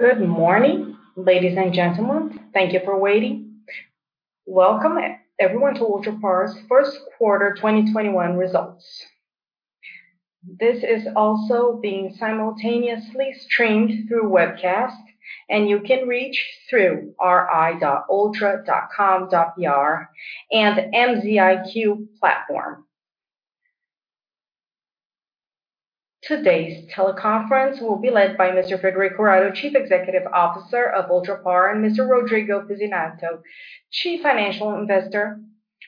Good morning, ladies and gentlemen. Thank you for waiting. Welcome everyone, to Ultrapar's first quarter 2021 results. This is also being simultaneously streamed through webcast, and you can reach through ri.ultra.com.br and the MZiQ platform. Today's teleconference will be led by Mr. Frederico Curado, Chief Executive Officer of Ultrapar, and Mr. Rodrigo Pizzinatto, Chief Financial Investor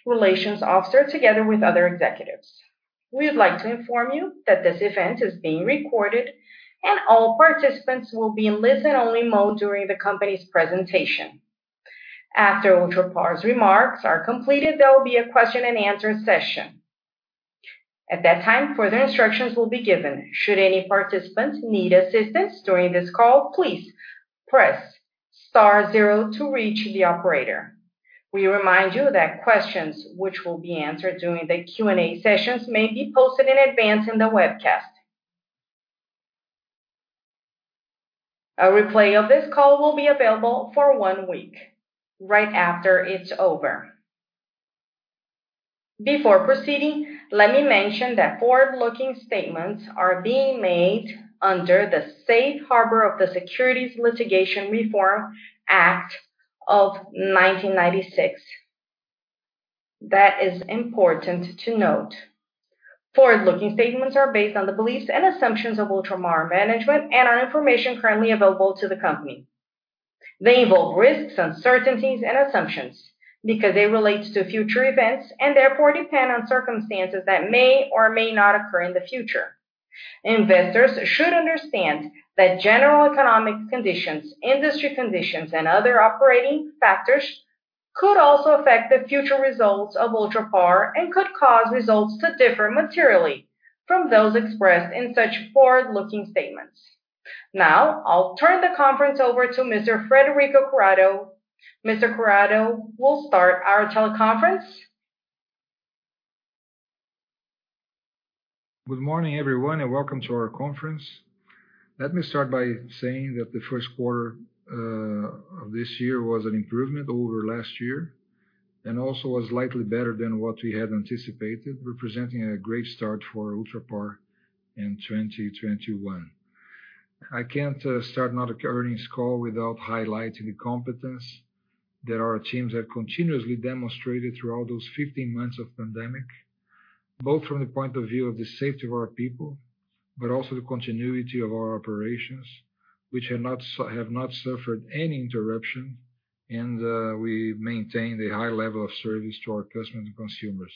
Relations Officer, together with other executives. We would like to inform you that this event is being recorded, and all participants will be in listen-only mode during the company's presentation. After Ultrapar's remarks are completed, there will be a question and answer session. At that time, further instructions will be given. Should any participants need assistance during this call, please press star zero to reach the operator. We remind you that questions, which will be answered during the Q&A sessions, may be posted in advance in the webcast. A replay of this call will be available for one week right after it's over. Before proceeding, let me mention that forward-looking statements are being made under the safe harbor of the Securities Litigation Reform Act of 1996. That is important to note. Forward-looking statements are based on the beliefs and assumptions of Ultrapar management and on information currently available to the company. They involve risks, uncertainties, and assumptions because they relate to future events and therefore depend on circumstances that may or may not occur in the future. Investors should understand that general economic conditions, industry conditions, and other operating factors could also affect the future results of Ultrapar and could cause results to differ materially from those expressed in such forward-looking statements. Now, I'll turn the conference over to Mr. Frederico Curado. Mr. Curado will start our teleconference. Good morning, everyone, and welcome to our conference. Let me start by saying that the first quarter of this year was an improvement over last year, and also was slightly better than what we had anticipated, representing a great start for Ultrapar in 2021. I can't start another earnings call without highlighting the competence that our teams have continuously demonstrated throughout those 15 months of pandemic, both from the point of view of the safety of our people, but also the continuity of our operations, which have not suffered any interruption, and we maintain the high level of service to our customers and consumers.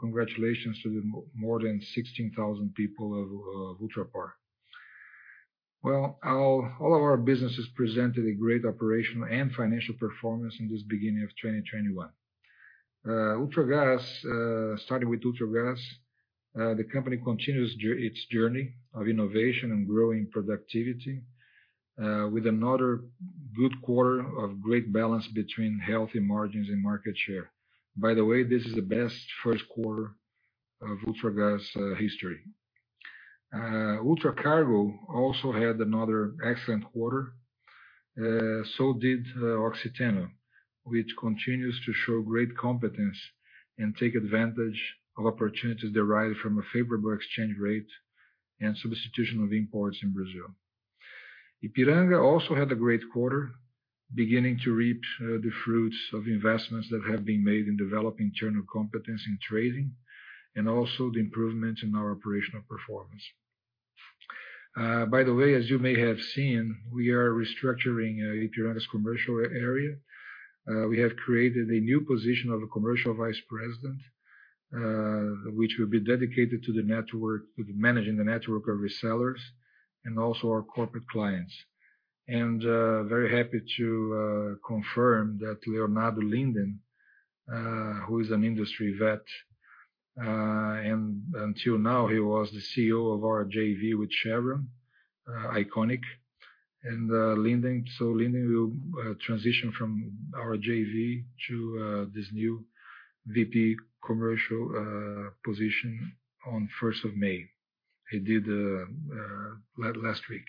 Congratulations to the more than 16,000 people of Ultrapar. Well, all of our businesses presented a great operational and financial performance in this beginning of 2021. Starting with Ultragaz, the company continues its journey of innovation and growing productivity, with another good quarter of great balance between healthy margins and market share. By the way, this is the best first quarter of Ultragaz history. Ultracargo also had another excellent quarter. So did Oxiteno, which continues to show great competence and take advantage of opportunities derived from a favorable exchange rate and substitution of imports in Brazil. Ipiranga also had a great quarter, beginning to reap the fruits of investments that have been made in developing internal competence in trading, and also the improvement in our operational performance. By the way, as you may have seen, we are restructuring Ipiranga's commercial area. We have created a new position of a commercial vice president, which will be dedicated to managing the network of resellers and also our corporate clients. Very happy to confirm that Leonardo Linden, who is an industry vet, until now he was the CEO of our JV with Chevron, ICONIC. Linden will transition from our JV to this new VP Commercial position on the 1st of May. He did last week.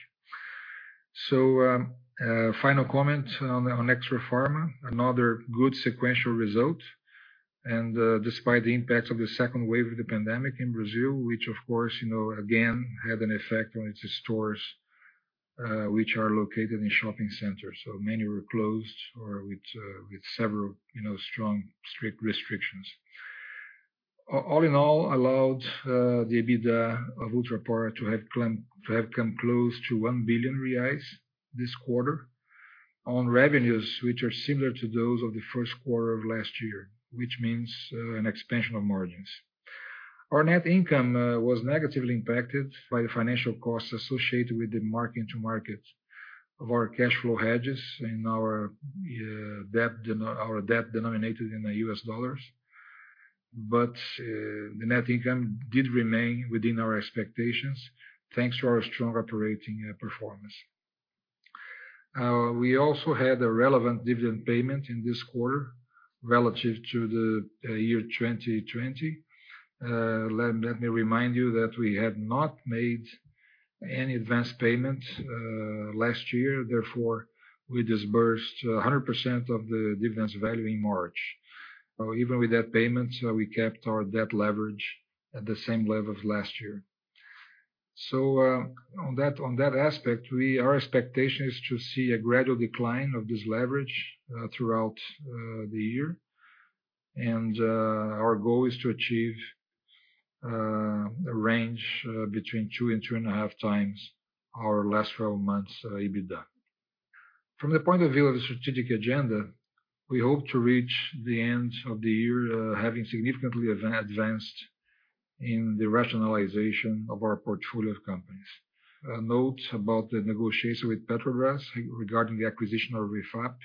Final comment on Extrafarma, another good sequential result, despite the impact of the second wave of the pandemic in Brazil, which of course, again, had an effect on its stores, which are located in shopping centers. Many were closed or with several strong, strict restrictions. All in all allowed the EBITDA of Ultrapar to have come close to 1 billion reais this quarter on revenues, which are similar to those of the first quarter of last year, which means an expansion of margins. Our net income was negatively impacted by the financial costs associated with the mark into market of our cash flow hedges and our debt denominated in the US dollars. The net income did remain within our expectations thanks to our strong operating performance. We also had a relevant dividend payment in this quarter. Relative to the year 2020, let me remind you that we had not made any advanced payment last year, therefore, we disbursed 100% of the dividends value in March. Even with that payment, we kept our debt leverage at the same level of last year. On that aspect, our expectation is to see a gradual decline of this leverage throughout the year. Our goal is to achieve a range between two and 2.5x our last 12 months EBITDA. From the point of view of the strategic agenda, we hope to reach the end of the year having significantly advanced in the rationalization of our portfolio of companies. A note about the negotiation with Petrobras regarding the acquisition of REFAP.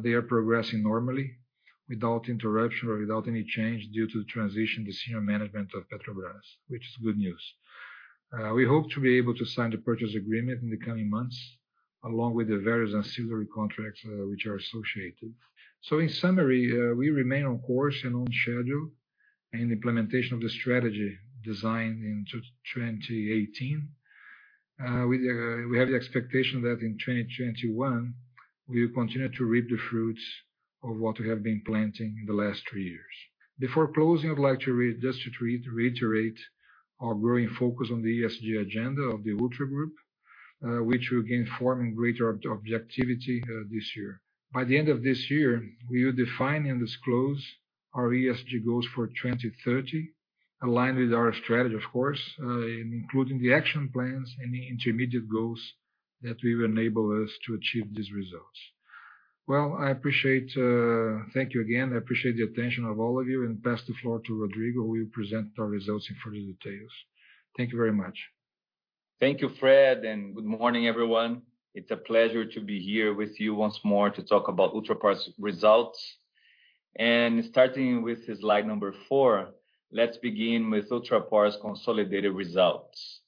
They are progressing normally without interruption or without any change due to the transition of the senior management of Petrobras, which is good news. We hope to be able to sign the purchase agreement in the coming months, along with the various ancillary contracts which are associated. In summary, we remain on course and on schedule in implementation of the strategy designed in 2018. We have the expectation that in 2021, we will continue to reap the fruits of what we have been planting in the last three years. Before closing, I'd like just to reiterate our growing focus on the ESG agenda of the Ultra Group, which will gain form and greater objectivity this year. By the end of this year, we will define and disclose our ESG goals for 2030, aligned with our strategy, of course, including the action plans and the intermediate goals that will enable us to achieve these results. Well, thank you again. I appreciate the attention of all of you, and pass the floor to Rodrigo, who will present our results in further details. Thank you very much. Thank you, Fred. Good morning, everyone. It's a pleasure to be here with you once more to talk about Ultrapar's results. Starting with slide number four, let's begin with Ultrapar's consolidated results.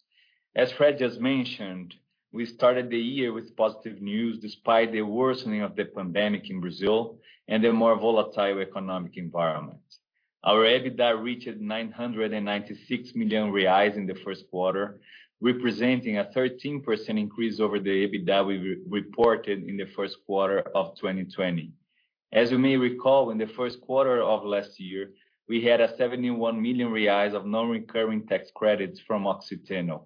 As Fred just mentioned, we started the year with positive news, despite the worsening of the pandemic in Brazil and a more volatile economic environment. Our EBITDA reached 996 million reais in the first quarter, representing a 13% increase over the EBITDA we reported in the first quarter of 2020. As you may recall, in the first quarter of last year, we had 71 million reais of non-recurring tax credits from Oxiteno.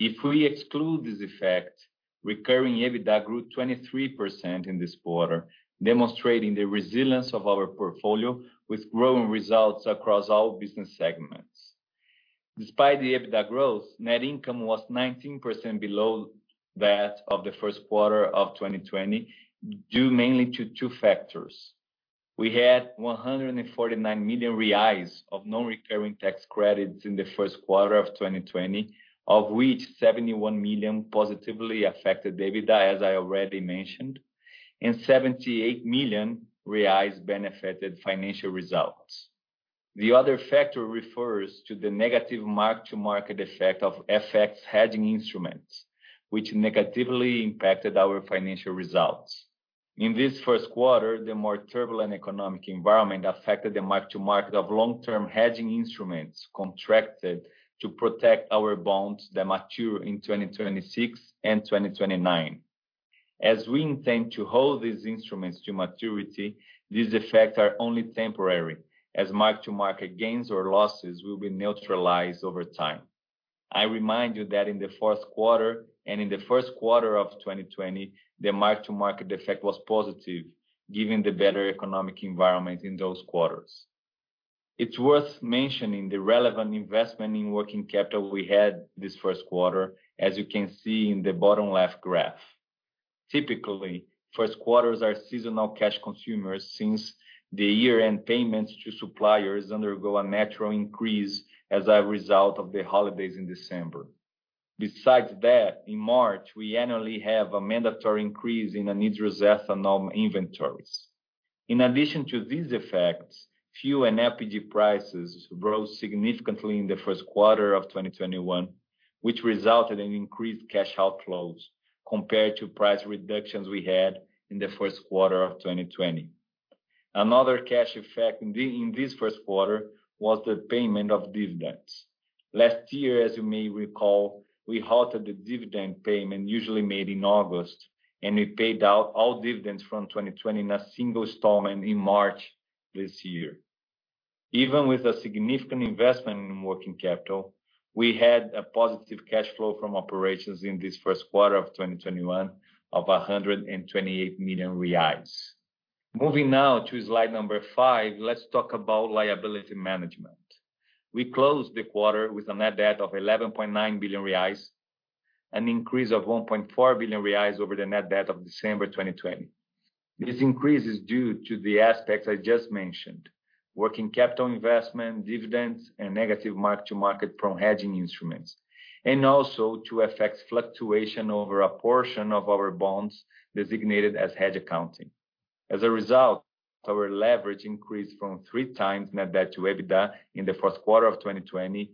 If we exclude this effect, recurring EBITDA grew 23% in this quarter, demonstrating the resilience of our portfolio with growing results across all business segments. Despite the EBITDA growth, net income was 19% below that of the first quarter of 2020, due mainly to two factors. We had 149 million reais of non-recurring tax credits in the first quarter of 2020, of which 71 million positively affected the EBITDA, as I already mentioned, and 78 million reais benefited financial results. The other factor refers to the negative mark-to-market effect of FX hedging instruments, which negatively impacted our financial results. In this first quarter, the more turbulent economic environment affected the mark-to-market of long-term hedging instruments contracted to protect our bonds that mature in 2026 and 2029. As we intend to hold these instruments to maturity, these effects are only temporary, as mark-to-market gains or losses will be neutralized over time. I remind you that in the fourth quarter and in the first quarter of 2020, the mark-to-market effect was positive given the better economic environment in those quarters. It's worth mentioning the relevant investment in working capital we had this first quarter, as you can see in the bottom left graph. Typically, first quarters are seasonal cash consumers since the year-end payments to suppliers undergo a natural increase as a result of the holidays in December. Besides that, in March, we annually have a mandatory increase in anhydrous ethanol inventories. In addition to these effects, few NPG prices rose significantly in the first quarter of 2021, which resulted in increased cash outflows compared to price reductions we had in the first quarter of 2020. Another cash effect in this first quarter was the payment of dividends. Last year, as you may recall, we halted the dividend payment usually made in August, and we paid out all dividends from 2020 in a single installment in March this year. Even with a significant investment in working capital, we had a positive cash flow from operations in this first quarter of 2021 of 128 million reais. Moving now to slide number five, let's talk about liability management. We closed the quarter with a net debt of 11.9 billion reais, an increase of 1.4 billion reais over the net debt of December 2020. This increase is due to the aspects I just mentioned, working capital investment, dividends, and negative mark-to-market from hedging instruments, and also to FX fluctuation over a portion of our bonds designated as hedge accounting. As a result, our leverage increased from 3x net debt to EBITDA in the first quarter of 2020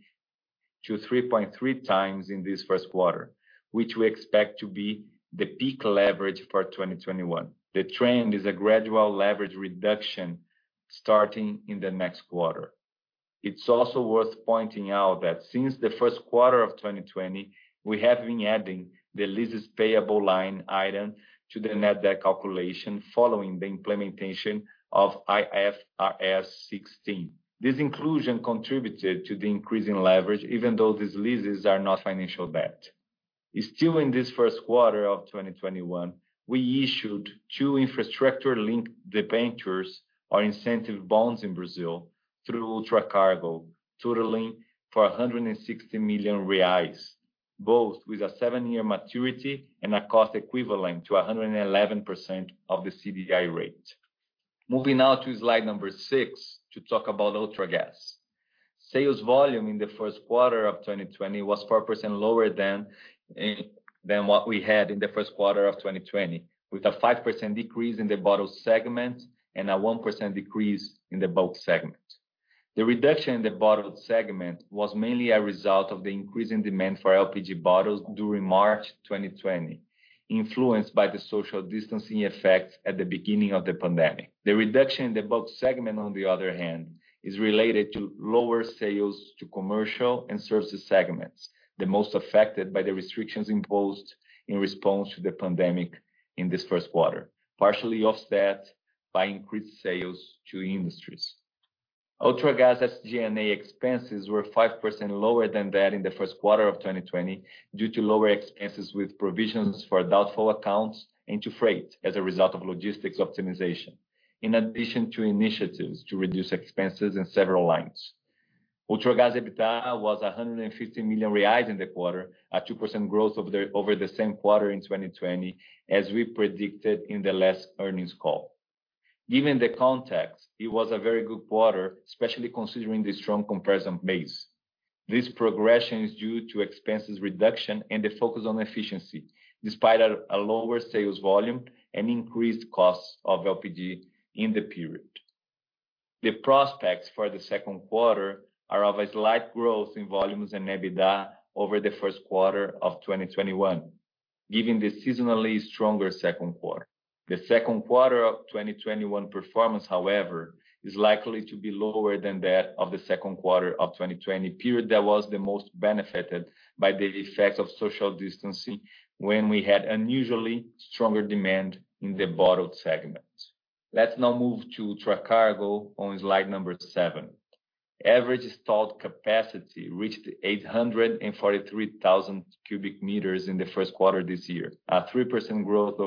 to 3.3x in this first quarter, which we expect to be the peak leverage for 2021. The trend is a gradual leverage reduction starting in the next quarter. It is also worth pointing out that since the first quarter of 2020, we have been adding the leases payable line item to the net debt calculation following the implementation of IFRS 16. This inclusion contributed to the increase in leverage even though these leases are not financial debt. In this first quarter of 2021, we issued two infrastructure-linked debentures, or incentive bonds in Brazil, through Ultracargo, totaling 160 million reais, both with a seven-year maturity and a cost equivalent to 111% of the CDI rate. Moving now to slide number six to talk about Ultragaz. Sales volume in the first quarter of 2020 was 4% lower than what we had in the first quarter of 2020, with a 5% decrease in the bottled segment and a 1% decrease in the bulk segment. The reduction in the bottled segment was mainly a result of the increase in demand for LPG bottles during March 2020, influenced by the social distancing effect at the beginning of the pandemic. The reduction in the bulk segment, on the other hand, is related to lower sales to commercial and services segments, the most affected by the restrictions imposed in response to the pandemic in this first quarter, partially offset by increased sales to industries. Ultragaz' G&A expenses were 5% lower than that in the first quarter of 2020, due to lower expenses with provisions for doubtful accounts into freight as a result of logistics optimization. In addition to initiatives to reduce expenses in several lines. Ultragaz EBITDA was 150 million reais in the quarter, a 2% growth over the same quarter in 2020, as we predicted in the last earnings call. Given the context, it was a very good quarter, especially considering the strong comparison base. This progression is due to expenses reduction and the focus on efficiency, despite a lower sales volume and increased costs of LPG in the period. The prospects for the second quarter are of a slight growth in volumes and EBITDA over the first quarter of 2021, given the seasonally stronger second quarter. The second quarter of 2021 performance, however, is likely to be lower than that of the second quarter of 2020, period that was the most benefited by the effects of social distancing, when we had unusually stronger demand in the bottled segment. Let's now move to Ultracargo on slide number seven. Average stored capacity reached 843,000 cu m in the first quarter this year, a 3% growth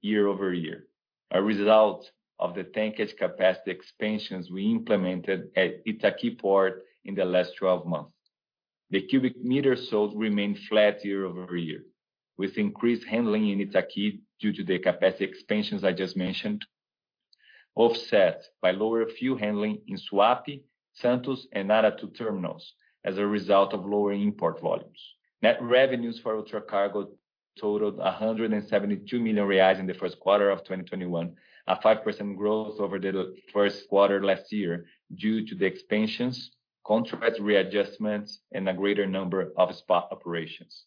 year-over-year, a result of the tankage capacity expansions we implemented at Itaqui Port in the last 12 months. The cubic meters sold remained flat year-over-year, with increased handling in Itaqui due to the capacity expansions I just mentioned, offset by lower fuel handling in Suape, Santos, and Aratu terminals as a result of lower import volumes. Net revenues for Ultracargo totaled 172 million reais in the first quarter of 2021, a 5% growth over the first quarter last year due to the expansions, contract readjustments, and a greater number of spot operations.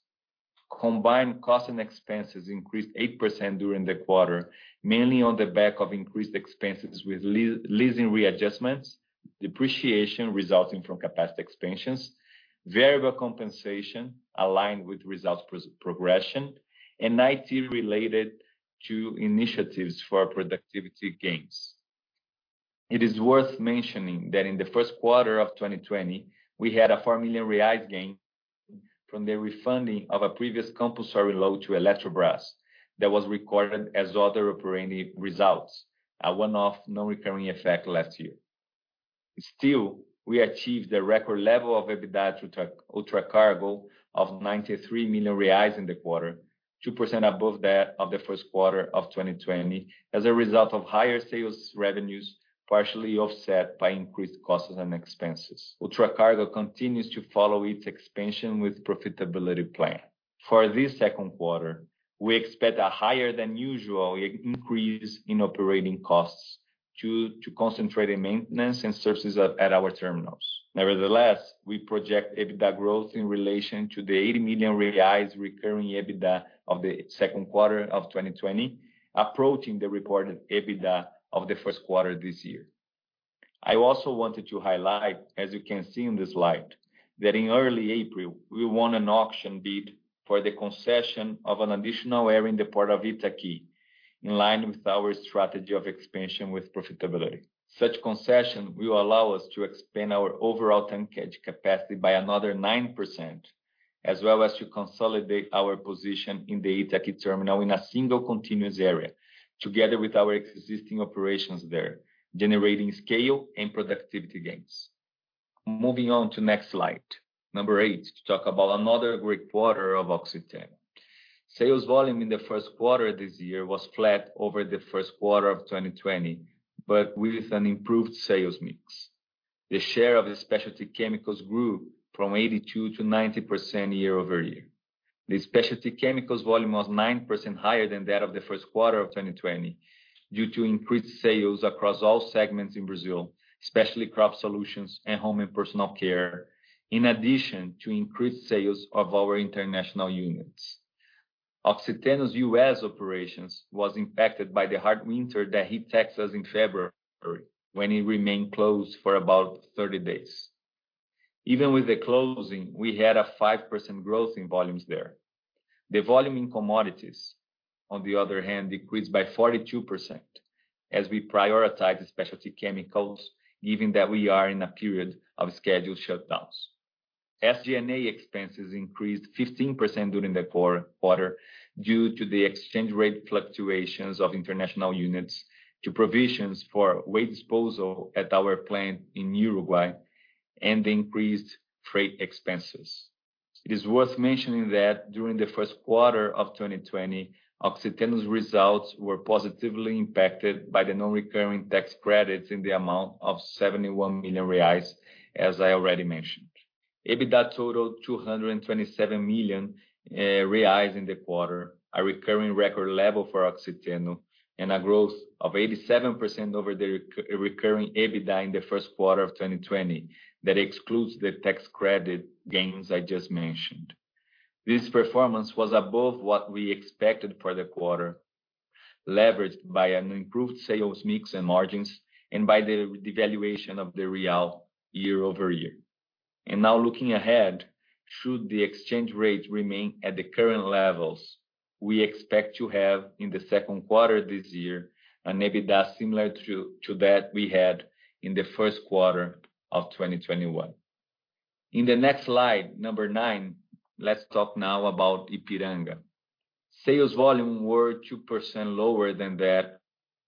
Combined costs and expenses increased 8% during the quarter, mainly on the back of increased expenses with leasing readjustments, depreciation resulting from capacity expansions, variable compensation aligned with results progression, and IT related to initiatives for productivity gains. It is worth mentioning that in the first quarter of 2020, we had a 4 million real gain from the refunding of a previous compulsory load to Eletrobras that was recorded as other operating results, a one-off non-recurring effect last year. Still, we achieved a record level of EBITDA through Ultracargo of 93 million reais in the quarter, 2% above that of the first quarter of 2020 as a result of higher sales revenues, partially offset by increased costs and expenses. Ultracargo continues to follow its expansion with profitability plan. For this second quarter, we expect a higher than usual increase in operating costs due to concentrated maintenance and services at our terminals. Nevertheless, we project EBITDA growth in relation to the 80 million reais recurring EBITDA of the second quarter of 2020, approaching the reported EBITDA of the first quarter this year. I also wanted to highlight, as you can see on the slide, that in early April, we won an auction bid for the concession of an additional area in the port of Itaqui, in line with our strategy of expansion with profitability. Such concession will allow us to expand our overall tankage capacity by another 9%, as well as to consolidate our position in the Itaqui terminal in a single continuous area, together with our existing operations there, generating scale and productivity gains. Moving on to next slide, number eight, to talk about another great quarter of Oxiteno. Sales volume in the first quarter this year was flat over the first quarter of 2020, but with an improved sales mix. The share of the specialty chemicals grew from 82% to 90% year-over-year. The specialty chemicals volume was 9% higher than that of the first quarter of 2020 due to increased sales across all segments in Brazil, especially Crop Solutions and Home and Personal Care, in addition to increased sales of our international units. Oxiteno's U.S. operations was impacted by the hard winter that hit Texas in February, when it remained closed for about 30 days. Even with the closing, we had a 5% growth in volumes there. The volume in commodities, on the other hand, decreased by 42% as we prioritize specialty chemicals, given that we are in a period of scheduled shutdowns. SG&A expenses increased 15% during the core quarter due to the exchange rate fluctuations of international units to provisions for waste disposal at our plant in Uruguay and increased freight expenses. It is worth mentioning that during the first quarter of 2020, Oxiteno's results were positively impacted by the non-recurring tax credits in the amount of 71 million reais, as I already mentioned. EBITDA totaled 227 million reais in the quarter, a recurring record level for Oxiteno, and a growth of 87% over the recurring EBITDA in the first quarter of 2020 that excludes the tax credit gains I just mentioned. This performance was above what we expected for the quarter, leveraged by an improved sales mix and margins and by the devaluation of the real year-over-year. Now looking ahead, should the exchange rate remain at the current levels, we expect to have in the second quarter this year an EBITDA similar to that we had in the first quarter of 2021. In the next slide, number nine, let's talk now about Ipiranga. Sales volume were 2% lower than that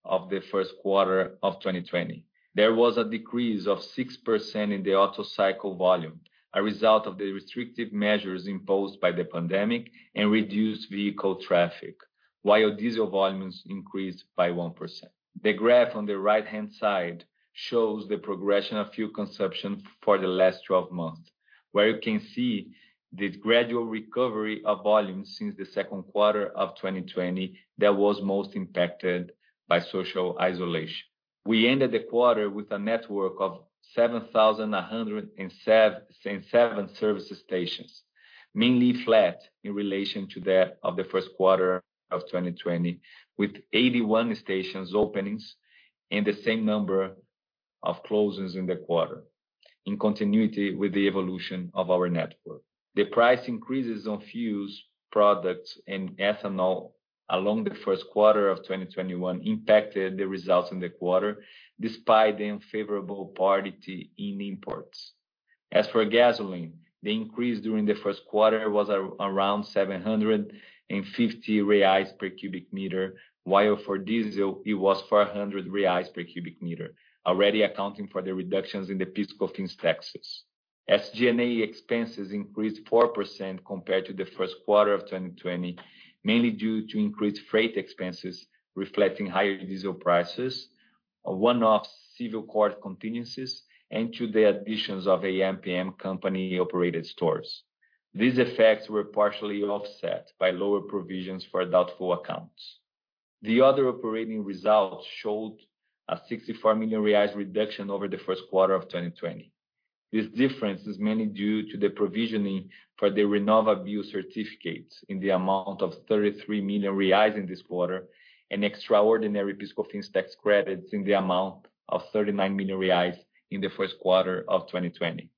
of the first quarter of 2020. There was a decrease of 6% in the Otto cycle volume, a result of the restrictive measures imposed by the pandemic and reduced vehicle traffic, while diesel volumes increased by 1%. The graph on the right-hand side shows the progression of fuel consumption for the last 12 months, where you can see the gradual recovery of volumes since the second quarter of 2020 that was most impacted by social isolation. We ended the quarter with a network of 7,107 service stations, mainly flat in relation to that of the first quarter of 2020, with 81 stations openings and the same number of closures in the quarter, in continuity with the evolution of our network. The price increases on fuels, products and ethanol along the first quarter of 2021 impacted the results in the quarter, despite the unfavorable parity in imports. As for gasoline, the increase during the first quarter was around 750 reais per cubic meter, while for diesel it was 400 reais per cubic meter, already accounting for the reductions in the PIS/COFINS taxes. SG&A expenses increased 4% compared to the first quarter of 2020, mainly due to increased freight expenses reflecting higher diesel prices, a one-off civil court contingencies, and to the additions of AmPm company-operated stores. These effects were partially offset by lower provisions for doubtful accounts. The other operating results showed a 64 million reais reduction over the first quarter of 2020. This difference is mainly due to the provisioning for the RenovaBio certificates in the amount of 33 million reais in this quarter, and extraordinary PIS/COFINS tax credits in the amount of 39 million reais in the first quarter of 2020.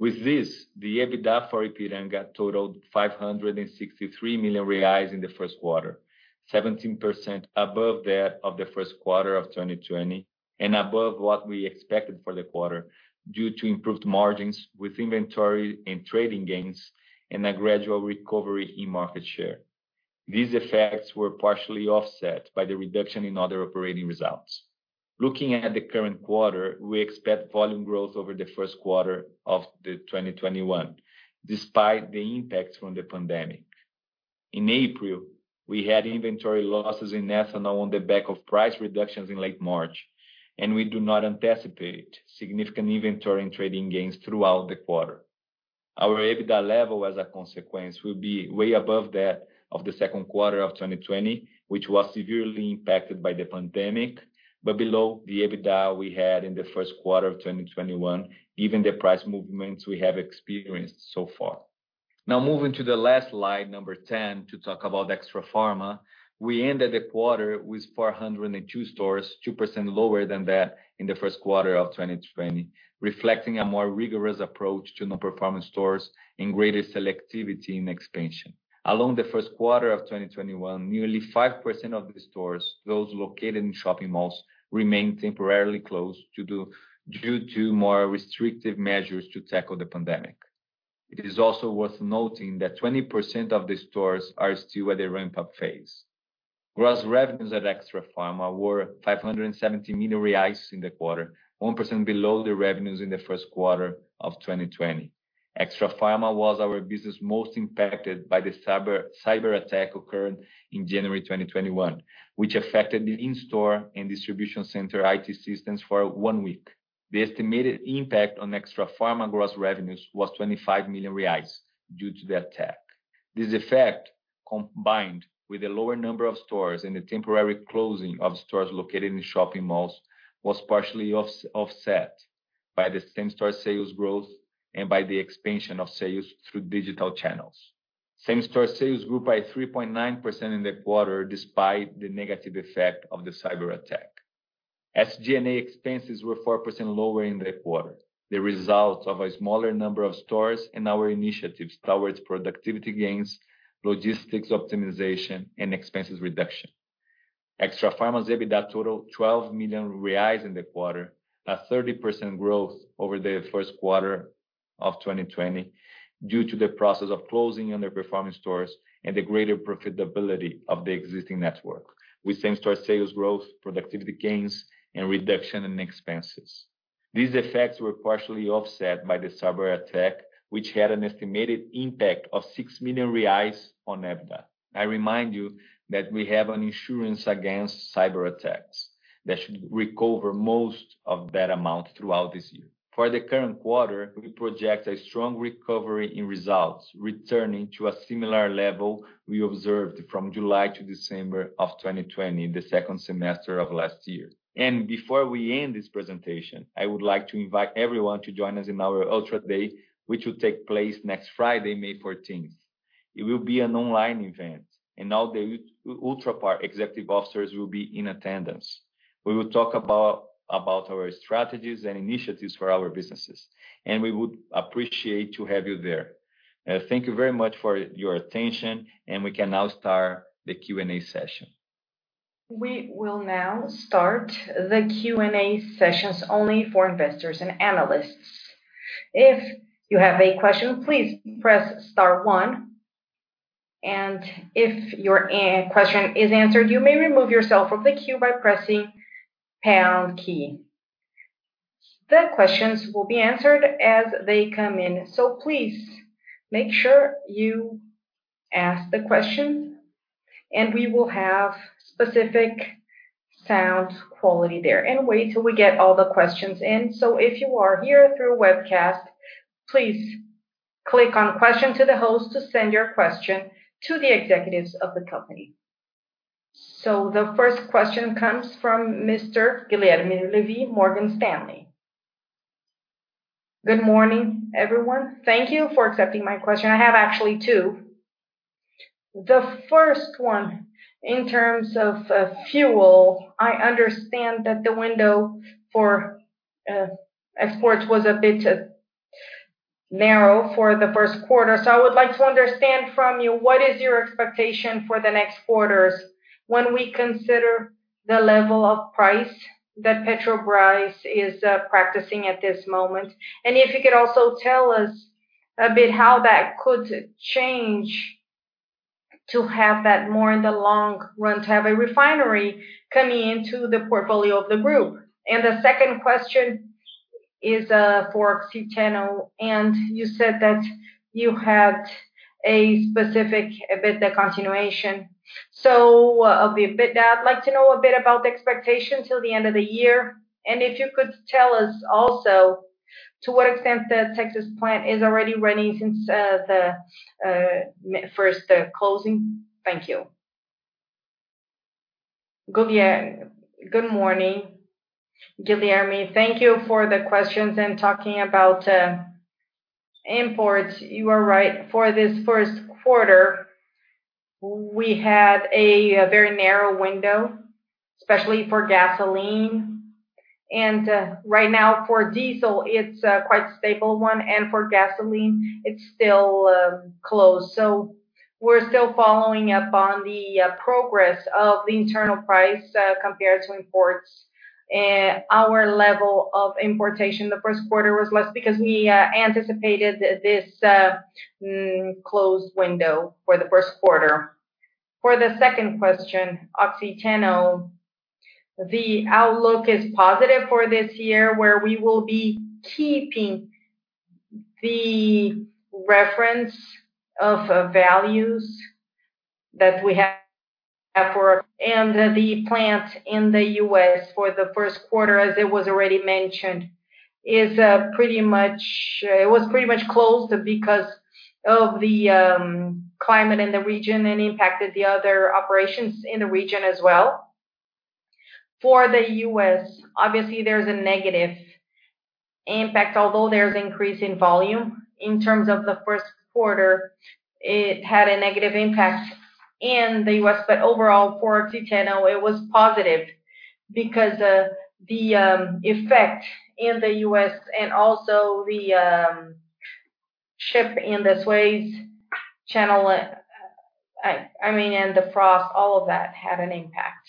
With this, the EBITDA for Ipiranga totaled 563 million reais in the first quarter, 17% above that of the first quarter of 2020, and above what we expected for the quarter due to improved margins with inventory and trading gains and a gradual recovery in market share. These effects were partially offset by the reduction in other operating results. Looking at the current quarter, we expect volume growth over the first quarter of the 2021, despite the impact from the pandemic. In April, we had inventory losses in ethanol on the back of price reductions in late March, and we do not anticipate significant inventory and trading gains throughout the quarter. Our EBITDA level, as a consequence, will be way above that of the second quarter of 2020, which was severely impacted by the pandemic, but below the EBITDA we had in the first quarter of 2021, given the price movements we have experienced so far. Now moving to the last slide, number 10, to talk about Extrafarma. We ended the quarter with 402 stores, 2% lower than that in the first quarter of 2020, reflecting a more rigorous approach to non-performing stores and greater selectivity in expansion. Along the first quarter of 2021, nearly 5% of the stores, those located in shopping malls, remained temporarily closed due to more restrictive measures to tackle the pandemic. It is also worth noting that 20% of the stores are still at the ramp-up phase. Gross revenues at Extrafarma were 570 million reais in the quarter, 1% below the revenues in the first quarter of 2020. Extrafarma was our business most impacted by the cyber attack occurred in January 2021, which affected the in-store and distribution center IT systems for one week. The estimated impact on Extrafarma gross revenues was 25 million reais due to the attack. This effect, combined with the lower number of stores and the temporary closing of stores located in shopping malls, was partially offset by the same-store sales growth and by the expansion of sales through digital channels. Same-store sales grew by 3.9% in the quarter, despite the negative effect of the cyberattack. SG&A expenses were 4% lower in the quarter, the result of a smaller number of stores and our initiatives towards productivity gains, logistics optimization, and expenses reduction. Extrafarma's EBITDA totaled 12 million reais in the quarter, a 30% growth over the first quarter of 2020 due to the process of closing underperforming stores and the greater profitability of the existing network, with same-store sales growth, productivity gains, and reduction in expenses. These effects were partially offset by the cyberattack, which had an estimated impact of 6 million reais on EBITDA. I remind you that we have an insurance against cyberattacks that should recover most of that amount throughout this year. For the current quarter, we project a strong recovery in results, returning to a similar level we observed from July to December of 2020, the second semester of last year. Before we end this presentation, I would like to invite everyone to join us in our Ultra Day, which will take place next Friday, May 14th. It will be an online event, and all the Ultrapar executive officers will be in attendance. We will talk about our strategies and initiatives for our businesses, and we would appreciate to have you there. Thank you very much for your attention, and we can now start the Q&A session. We will now start the Q&A sessions only for investors and analysts. If you have a question, please press star one, and if your question is answered, you may remove yourself from the queue by pressing pound key. The questions will be answered as they come in, so please make sure you ask the question, and we will have specific sound quality there. Wait till we get all the questions in. If you are here through webcast, please click on question to the host to send your question to the executives of the company. The first question comes from Mr. Guilherme Levy, Morgan Stanley. Good morning, everyone. Thank you for accepting my question. I have actually two. The first one, in terms of fuel, I understand that the window for exports was a bit narrow for the first quarter. I would like to understand from you, what is your expectation for the next quarters when we consider the level of price that Petrobras is practicing at this moment? If you could also tell us a bit how that could change to have that more in the long run, to have a refinery coming into the portfolio of the group. The second question is for Oxiteno, and you said that you had a specific EBITDA continuation. Of the EBITDA, I'd like to know a bit about the expectation till the end of the year. If you could tell us also to what extent the Texas plant is already running since the first closing? Thank you. Good morning, Guilherme. Thank you for the questions. Talking about imports, you are right. For this first quarter, we had a very narrow window, especially for gasoline. Right now for diesel, it's a quite stable one, and for gasoline, it's still closed. We're still following up on the progress of the internal price compared to imports. Our level of importation the first quarter was less because we anticipated this closed window for the first quarter. For the second question, Oxiteno. The outlook is positive for this year, where we will be keeping the reference of values that we have for. The plant in the U.S. for the first quarter, as it was already mentioned, it was pretty much closed because of the climate in the region and impacted the other operations in the region as well. For the U.S., obviously, there's a negative impact, although there's increase in volume. In terms of the first quarter, it had a negative impact in the U.S. Overall for Oxiteno, it was positive because the effect in the U.S. and also the ship in Suez Canal, and the frost, all of that had an impact.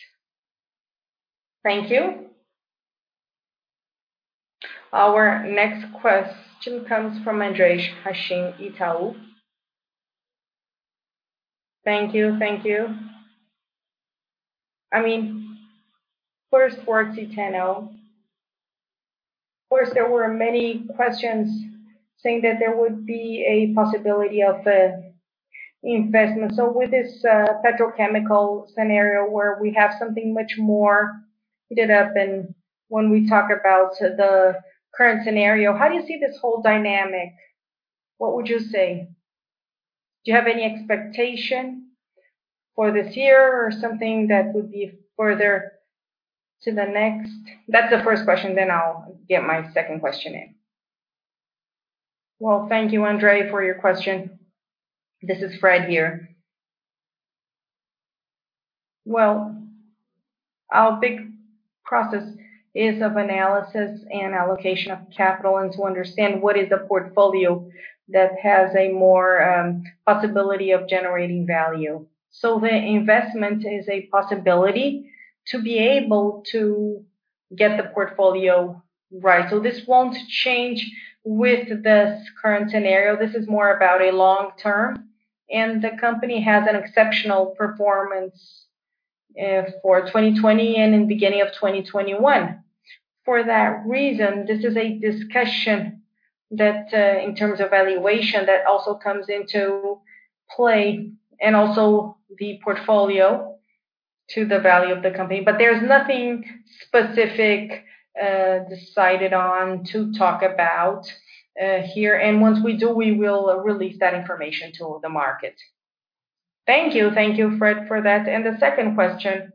Thank you. Our next question comes from Andre Hachem, Itaú. Thank you. First, for Oxiteno. Of course, there were many questions saying that there would be a possibility of investment. With this petrochemical scenario where we have something much more heated up, and when we talk about the current scenario, how do you see this whole dynamic? What would you say? Do you have any expectation for this year or something that would be further to the next? That's the first question, then I'll get my second question in. Well, thank you, Andre, for your question. This is Fred here. Our big process is of analysis and allocation of capital and to understand what is a portfolio that has a more possibility of generating value. The investment is a possibility to be able to get the portfolio right. This won't change with this current scenario. This is more about a long term, and the company has an exceptional performance for 2020 and in the beginning of 2021. For that reason, this is a discussion that, in terms of valuation, that also comes into play and also the portfolio to the value of the company. There's nothing specific decided on to talk about here. Once we do, we will release that information to the market. Thank you. Thank you, Fred, for that. The second question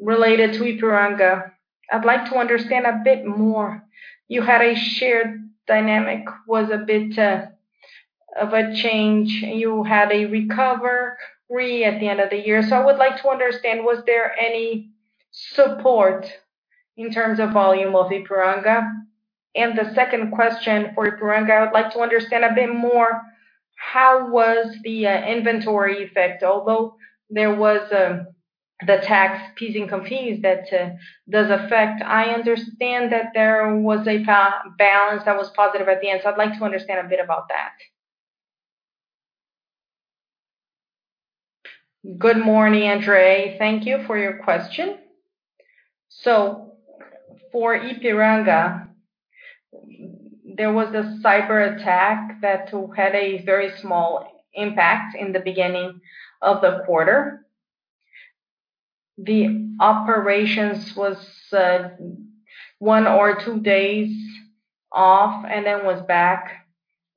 related to Ipiranga, I'd like to understand a bit more. You had a shared dynamic, was a bit of a change. You had a recovery at the end of the year. I would like to understand, was there any support in terms of volume of Ipiranga? The second question for Ipiranga, I would like to understand a bit more, how was the inventory effect? Although there was the tax PIS/COFINS that does affect. I understand that there was a balance that was positive at the end, so I'd like to understand a bit about that. Good morning, Andre. Thank you for your question. For Ipiranga, there was a cyberattack that had a very small impact in the beginning of the quarter. The operations was one or two days off and then was back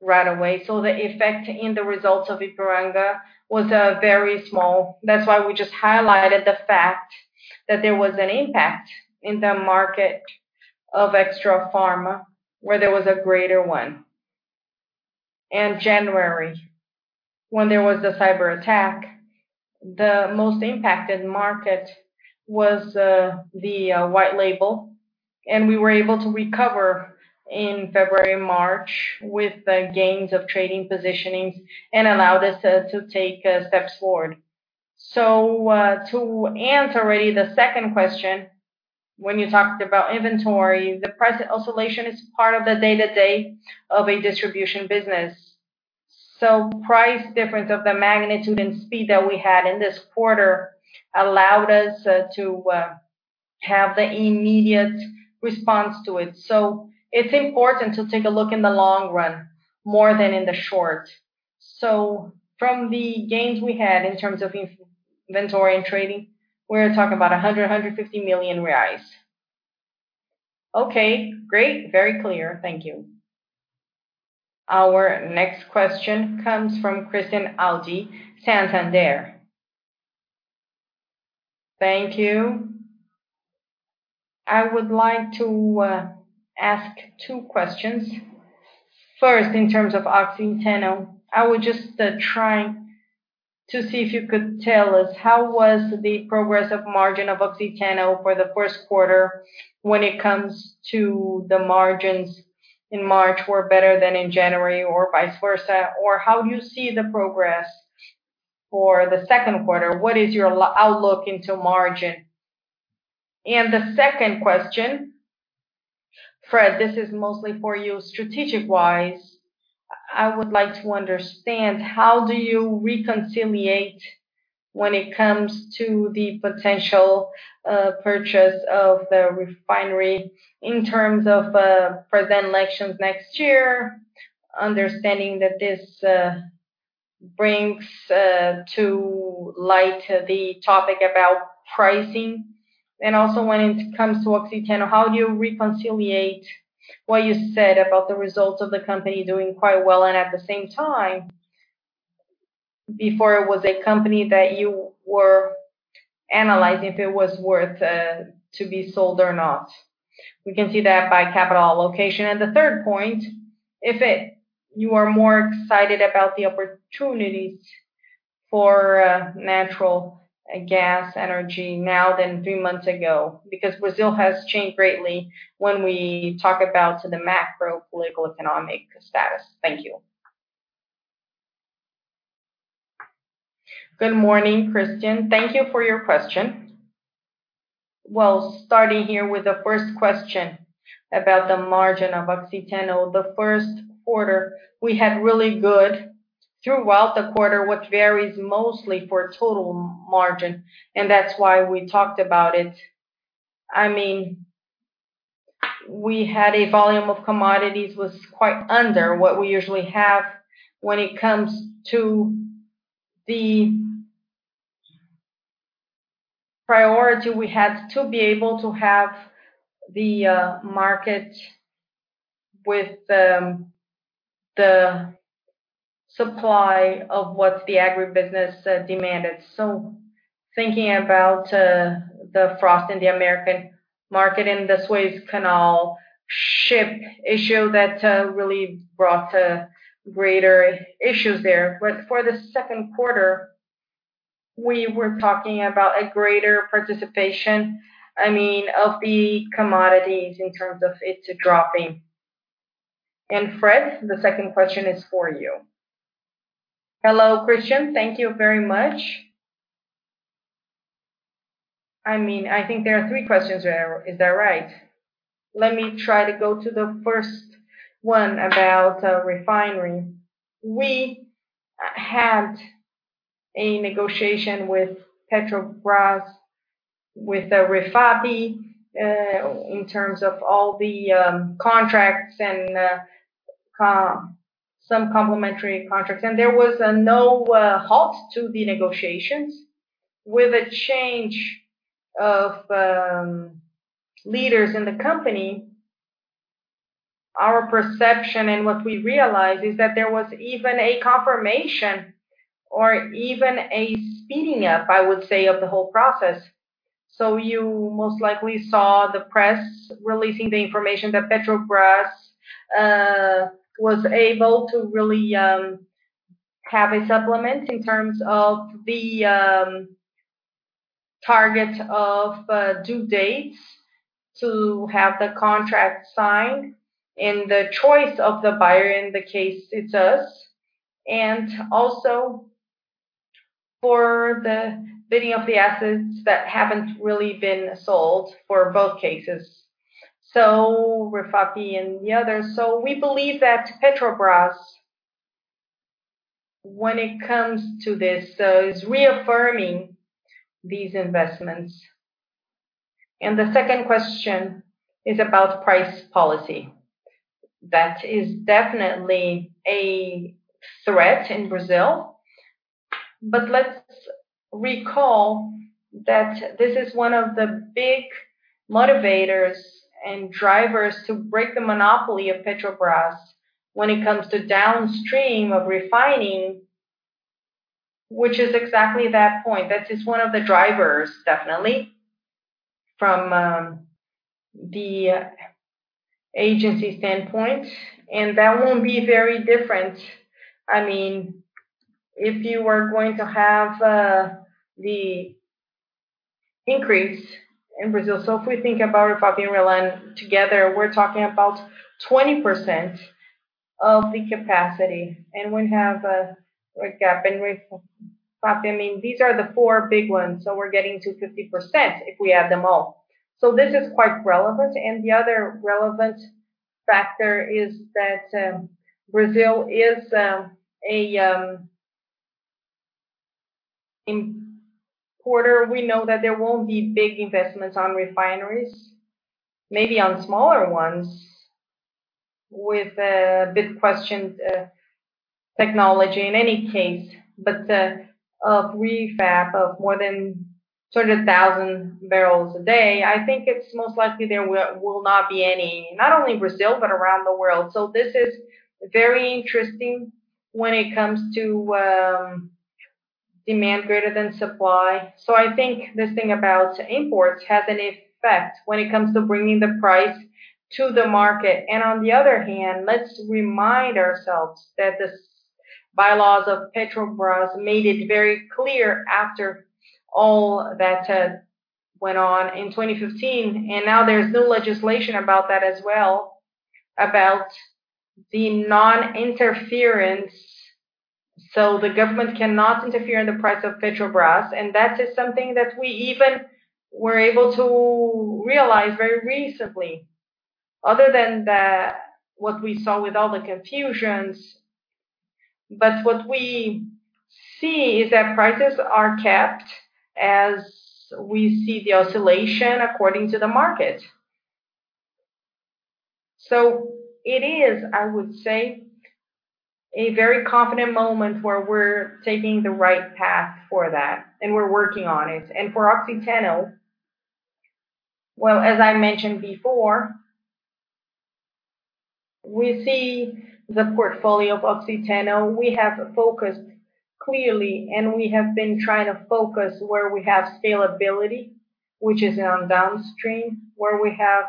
right away. The effect in the results of Ipiranga was very small. That's why we just highlighted the fact that there was an impact in the market of Extrafarma, where there was a greater one. In January, when there was a cyberattack, the most impacted market was the white label, and we were able to recover in February, March with gains of trading positionings, and allowed us to take steps forward. To answer really the second question, when you talked about inventory, the price oscillation is part of the day-to-day of a distribution business. Price difference of the magnitude and speed that we had in this quarter allowed us to have the immediate response to it. It's important to take a look in the long run more than in the short. From the gains we had in terms of inventory and trading, we're talking about 100 million-150 million reais. Okay, great. Very clear. Thank you. Our next question comes from Christian Audi, Santander. Thank you. I would like to ask two questions. First, in terms of Oxiteno, I was just trying to see if you could tell us how was the progress of margin of Oxiteno for the first quarter when it comes to the margins in March were better than in January or vice versa, or how do you see the progress for the second quarter? What is your outlook into margin? The second question, Fred, this is mostly for you strategic-wise. I would like to understand how do you reconcile when it comes to the potential purchase of the refinery in terms of presidential elections next year, understanding that this brings to light the topic about pricing. Also when it comes to Oxiteno, how do you reconcile what you said about the results of the company doing quite well and at the same time, before it was a company that you were analyzing if it was worth to be sold or not. We can see that by capital allocation. The third point, if you are more excited about the opportunities for natural gas energy now than three months ago, because Brazil has changed greatly when we talk about the macro political, economic status. Thank you. Good morning, Christian. Thank you for your question. Well, starting here with the first question about the margin of Oxiteno. The first quarter, we had really good throughout the quarter, what varies mostly for total margin, that's why we talked about it. I mean, we had a volume of commodities was quite under what we usually have. When it comes to the priority, we had to be able to have the market with the supply of what the agribusiness demanded. Thinking about the frost in the American market and the Suez Canal ship issue that really brought greater issues there. For the second quarter, we were talking about a greater participation, of the commodities in terms of it dropping. Fred, the second question is for you. Hello, Christian. Thank you very much. I think there are three questions there. Is that right? Let me try to go to the first one about refinery. We had a negotiation with Petrobras, with REFAP, in terms of all the contracts and some complementary contracts. There was no halt to the negotiations. With a change of leaders in the company, our perception and what we realized is that there was even a confirmation or even a speeding up, I would say, of the whole process. You most likely saw the press releasing the information that Petrobras was able to really have a supplement in terms of the target of due dates to have the contract signed and the choice of the buyer. In the case, it's us. Also for the bidding of the assets that haven't really been sold for both cases. REFAP and the others. We believe that Petrobras, when it comes to this, is reaffirming these investments. The second question is about price policy. That is definitely a threat in Brazil, let's recall that this is one of the big motivators and drivers to break the monopoly of Petrobras when it comes to downstream of refining, which is exactly that point. That is one of the drivers, definitely, from the agency standpoint. That won't be very different if you were going to have the increase in Brazil. If we think about REFAP and Refinaria together, we're talking about 20% of the capacity, and we have a gap in REFAP. These are the four big ones, so we're getting to 50% if we add them all. This is quite relevant. The other relevant factor is that Brazil is an importer. We know that there won't be big investments on refineries, maybe on smaller ones with a bit questioned technology in any case. Of REFAP, of more than 200,000 bbl a day, I think it's most likely there will not be any, not only in Brazil, but around the world. This is very interesting when it comes to demand greater than supply. I think this thing about imports has an effect when it comes to bringing the price to the market. On the other hand, let's remind ourselves that the bylaws of Petrobras made it very clear after all that went on in 2015, and now there's new legislation about that as well, about the non-interference. The government cannot interfere in the price of Petrobras, and that is something that we even were able to realize very recently, other than that, what we saw with all the confusions. What we see is that prices are kept as we see the oscillation according to the market. It is, I would say, a very confident moment where we're taking the right path for that, and we're working on it. For Oxiteno, well, as I mentioned before, we see the portfolio of Oxiteno. We have focused clearly, and we have been trying to focus where we have scalability, which is on downstream, where we have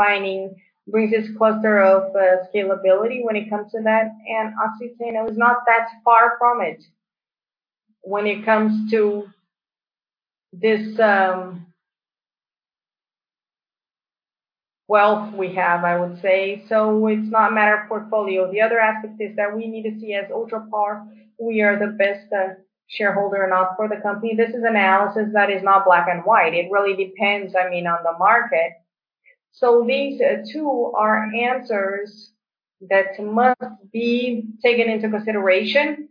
Ultrapar, Ultragaz, and Ipiranga, and their refining brings this cluster of scalability when it comes to that. Oxiteno is not that far from it when it comes to this wealth we have, I would say. It's not a matter of portfolio. The other aspect is that we need to see as Ultrapar, we are the best shareholder or not for the company. This is analysis that is not black and white. It really depends on the market. These two are answers that must be taken into consideration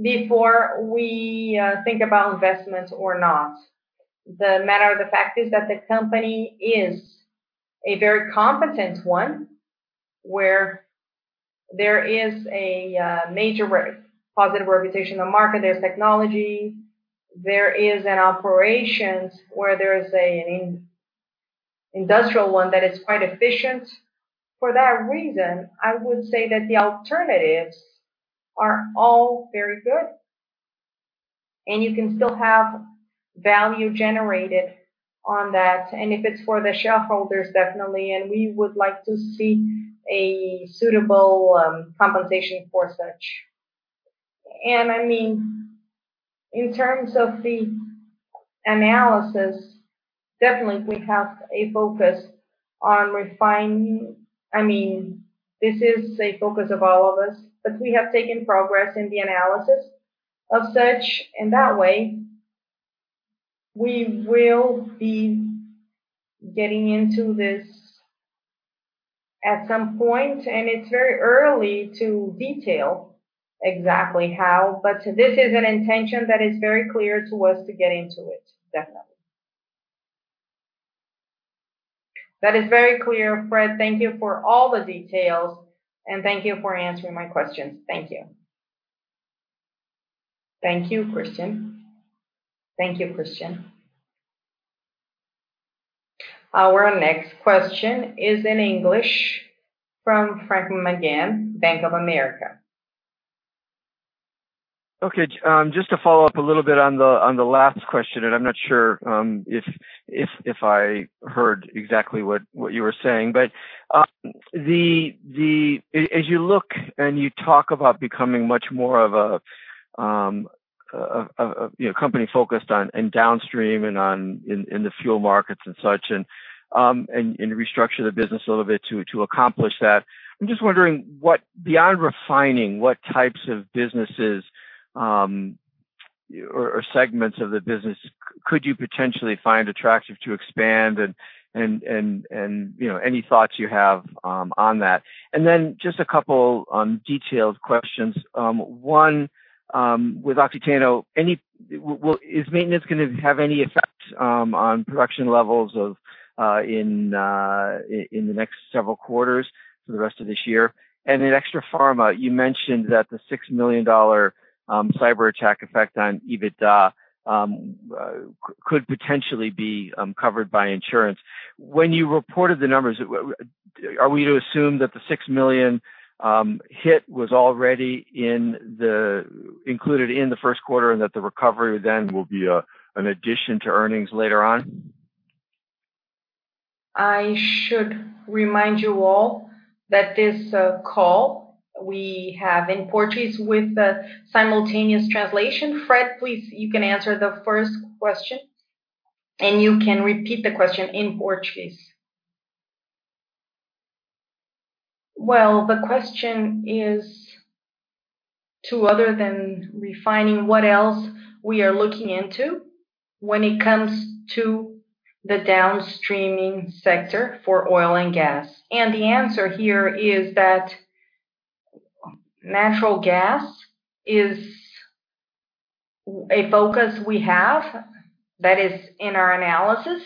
before we think about investments or not. The matter of the fact is that the company is a very competent one, where there is a major positive reputation in the market. There's technology, there is an operations where there is an industrial one that is quite efficient. For that reason, I would say that the alternatives are all very good, and you can still have value generated on that. If it's for the shareholders, definitely, and we would like to see a suitable compensation for such. In terms of the analysis, definitely we have a focus on refining. This is a focus of all of us, but we have taken progress in the analysis of such. In that way, we will be getting into this at some point, and it's very early to detail exactly how. This is an intention that is very clear to us to get into it, definitely. That is very clear, Fred. Thank you for all the details, and thank you for answering my questions. Thank you. Thank you, Christian. Our next question is in English from Frank McGann, Bank of America. Just to follow up a little bit on the last question, and I'm not sure if I heard exactly what you were saying, but as you look and you talk about becoming much more of a company focused on downstream and in the fuel markets and such, and restructure the business a little bit to accomplish that. I'm just wondering, beyond refining, what types of businesses or segments of the business could you potentially find attractive to expand, and any thoughts you have on that? Then just a couple detailed questions. One, with Oxiteno, is maintenance going to have any effect on production levels in the next several quarters through the rest of this year? In Extrafarma, you mentioned that the BRL 6 million cyber attack effect on EBITDA could potentially be covered by insurance. When you reported the numbers, are we to assume that the 6 million hit was already included in the first quarter, and that the recovery then will be an addition to earnings later on? I should remind you all that this call we have in Portuguese with simultaneous translation. Fred, please, you can answer the first question, and you can repeat the question in Portuguese. Well, the question is to other than refining, what else we are looking into when it comes to the downstreaming sector for oil and gas. The answer here is that natural gas is a focus we have that is in our analysis.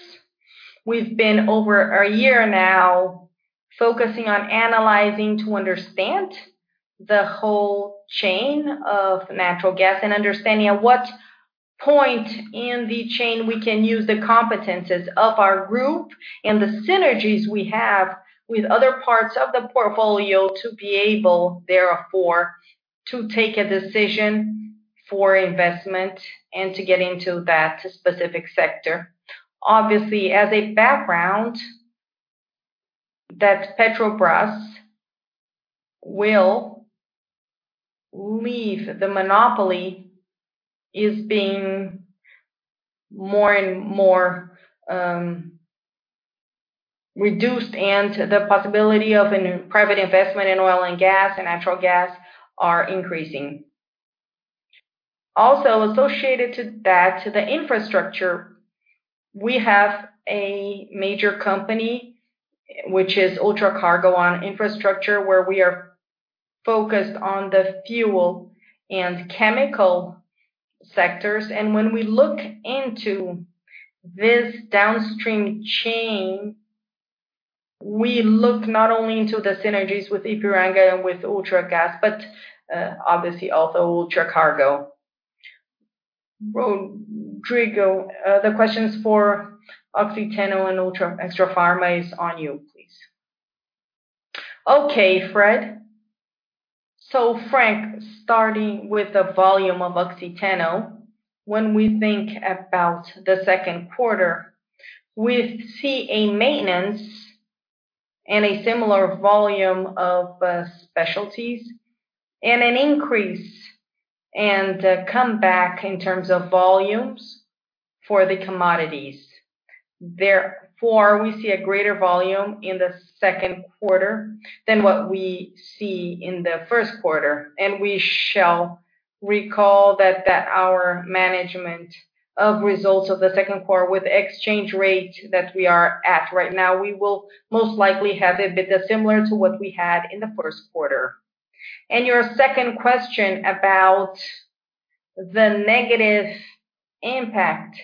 We've been over a year now focusing on analyzing to understand the whole chain of natural gas and understanding at what point in the chain we can use the competencies of our group and the synergies we have with other parts of the portfolio to be able, therefore, to take a decision for investment and to get into that specific sector. Obviously, as a background, that Petrobras will leave the monopoly is being more and more reduced, and the possibility of a private investment in oil and gas and natural gas are increasing. Also associated to that, the infrastructure. We have a major company, which is Ultracargo, on infrastructure where we are focused on the fuel and chemical sectors. When we look into this downstream chain, we look not only into the synergies with Ipiranga and with Ultragaz, but obviously also Ultracargo. Rodrigo, the question is for Oxiteno and Extrafarma is on you, please. Okay, Fred. Frank, starting with the volume of Oxiteno. When we think about the second quarter, we see a maintenance and a similar volume of specialties, and an increase and a comeback in terms of volumes for the commodities. Therefore, we see a greater volume in the second quarter than what we see in the first quarter, and we shall recall that our management of results of the second quarter with exchange rate that we are at right now, we will most likely have a bit similar to what we had in the first quarter. Your second question about the negative impact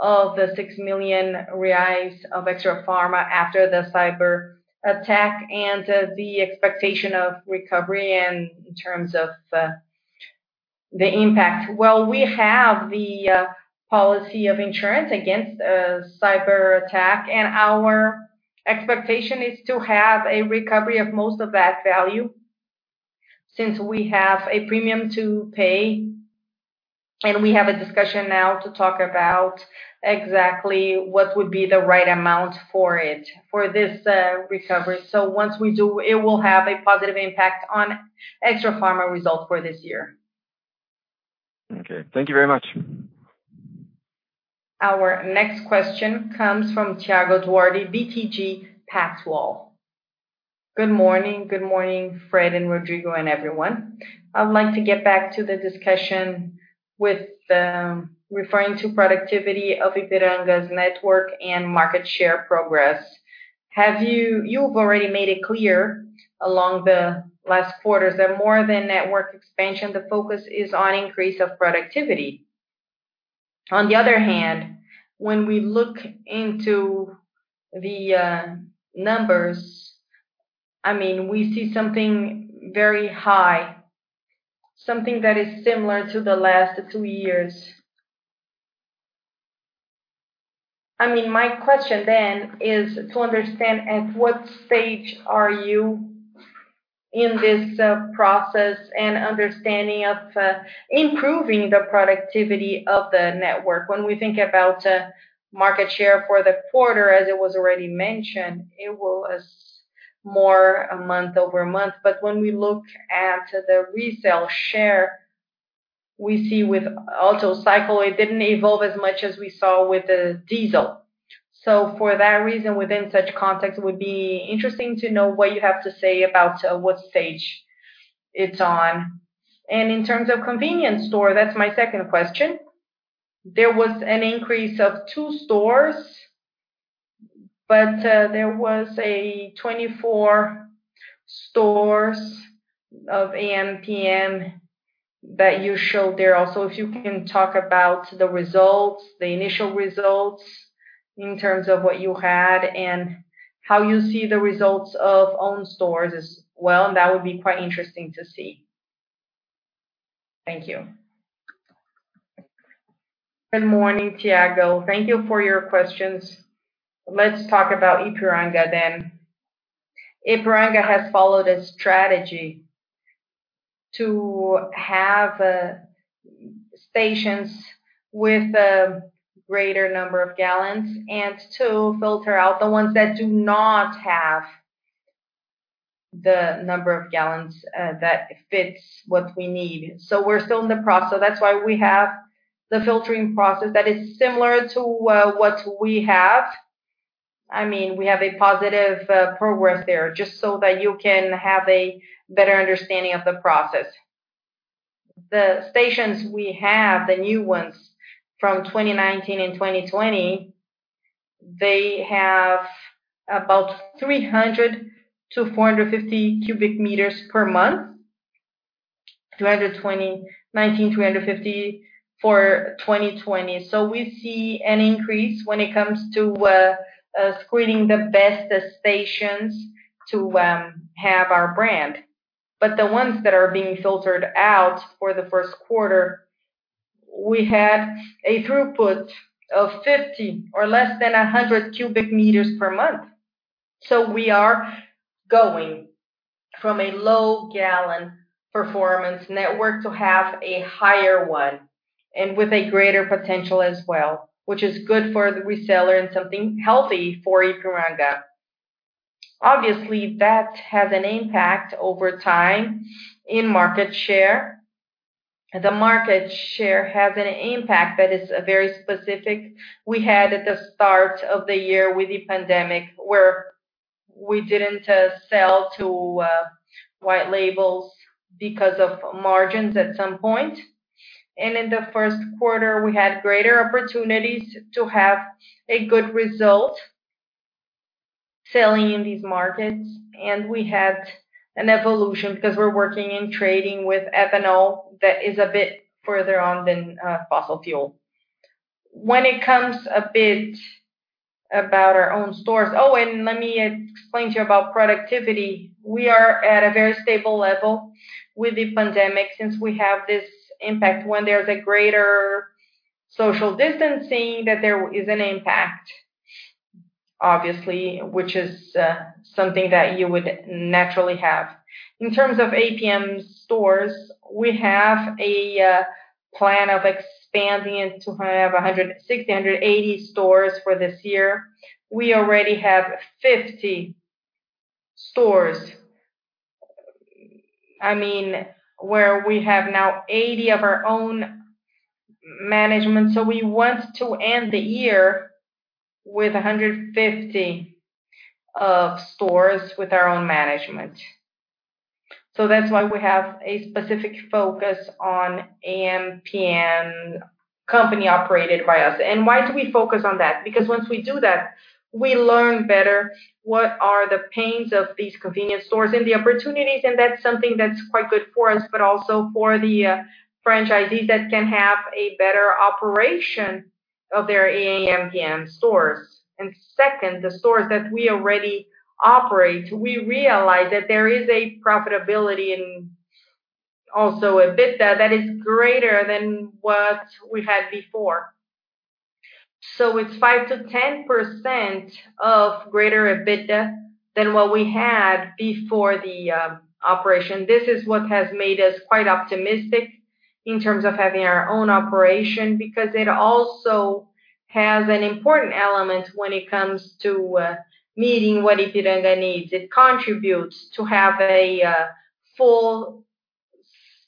of the 6 million reais of Extrafarma after the cyber attack and the expectation of recovery in terms of the impact. Well, we have the policy of insurance against cyberattack, and our expectation is to have a recovery of most of that value since we have a premium to pay, and we have a discussion now to talk about exactly what would be the right amount for it, for this recovery. Once we do, it will have a positive impact on Extrafarma results for this year. Okay. Thank you very much. Our next question comes from Thiago Duarte, BTG Pactual. Good morning. Good morning, Fred and Rodrigo, and everyone. I'd like to get back to the discussion with referring to productivity of Ipiranga's network and market share progress. You've already made it clear along the last quarters that more than network expansion, the focus is on increase of productivity. On the other hand, when we look into the numbers, we see something very high, something that is similar to the last two years. My question is to understand at what stage are you in this process and understanding of improving the productivity of the network? When we think about market share for the quarter, as it was already mentioned, it was more a month-over-month. When we look at the resale share, we see with auto cycle, it didn't evolve as much as we saw with the diesel. For that reason, within such context, it would be interesting to know what you have to say about what stage it's on. In terms of convenience store, that's my second question. There was an increase of two stores, but there was a 24 stores of AmPm that you showed there also. If you can talk about the results, the initial results in terms of what you had and how you see the results of own stores as well, that would be quite interesting to see. Thank you. Good morning, Thiago. Thank you for your questions. Let's talk about Ipiranga. Ipiranga has followed a strategy to have stations with a greater number of gallons and to filter out the ones that do not have the number of gallons that fits what we need. We're still in the process. That's why we have the filtering process that is similar to what we have. We have a positive progress there, just so that you can have a better understanding of the process. The stations we have, the new ones from 2019 and 2020, they have about 300-450 cu m per month, 220, 19-350 for 2020. We see an increase when it comes to screening the best stations to have our brand. The ones that are being filtered out for the first quarter, we had a throughput of 50 or less than 100 cu m per month. We are going from a low gallon performance network to have a higher one and with a greater potential as well, which is good for the reseller and something healthy for Ipiranga. Obviously, that has an impact over time in market share. The market share has an impact that is very specific. We had at the start of the year with the pandemic where we didn't sell to white labels because of margins at some point. In the first quarter, we had greater opportunities to have a good result selling in these markets. We had an evolution because we're working in trading with ethanol that is a bit further on than fossil fuel. When it comes a bit about our own stores, let me explain to you about productivity. We are at a very stable level with the pandemic, since we have this impact when there's a greater social distancing, that there is an impact, obviously, which is something that you would naturally have. In terms of AmPm stores, we have a plan of expanding it to have 680 stores for this year. We already have 50 stores, where we have now 80 of our own management. We want to end the year with 150 stores with our own management. That's why we have a specific focus on AmPm company operated by us. Why do we focus on that? Because once we do that, we learn better what are the pains of these convenience stores and the opportunities, and that's something that's quite good for us, but also for the franchisees that can have a better operation of their AmPm stores. Second, the stores that we already operate, we realize that there is a profitability and also EBITDA that is greater than what we had before. It's 5%-10% greater EBITDA than what we had before the operation. This is what has made us quite optimistic in terms of having our own operation, because it also has an important element when it comes to meeting what Ipiranga needs. It contributes to have a full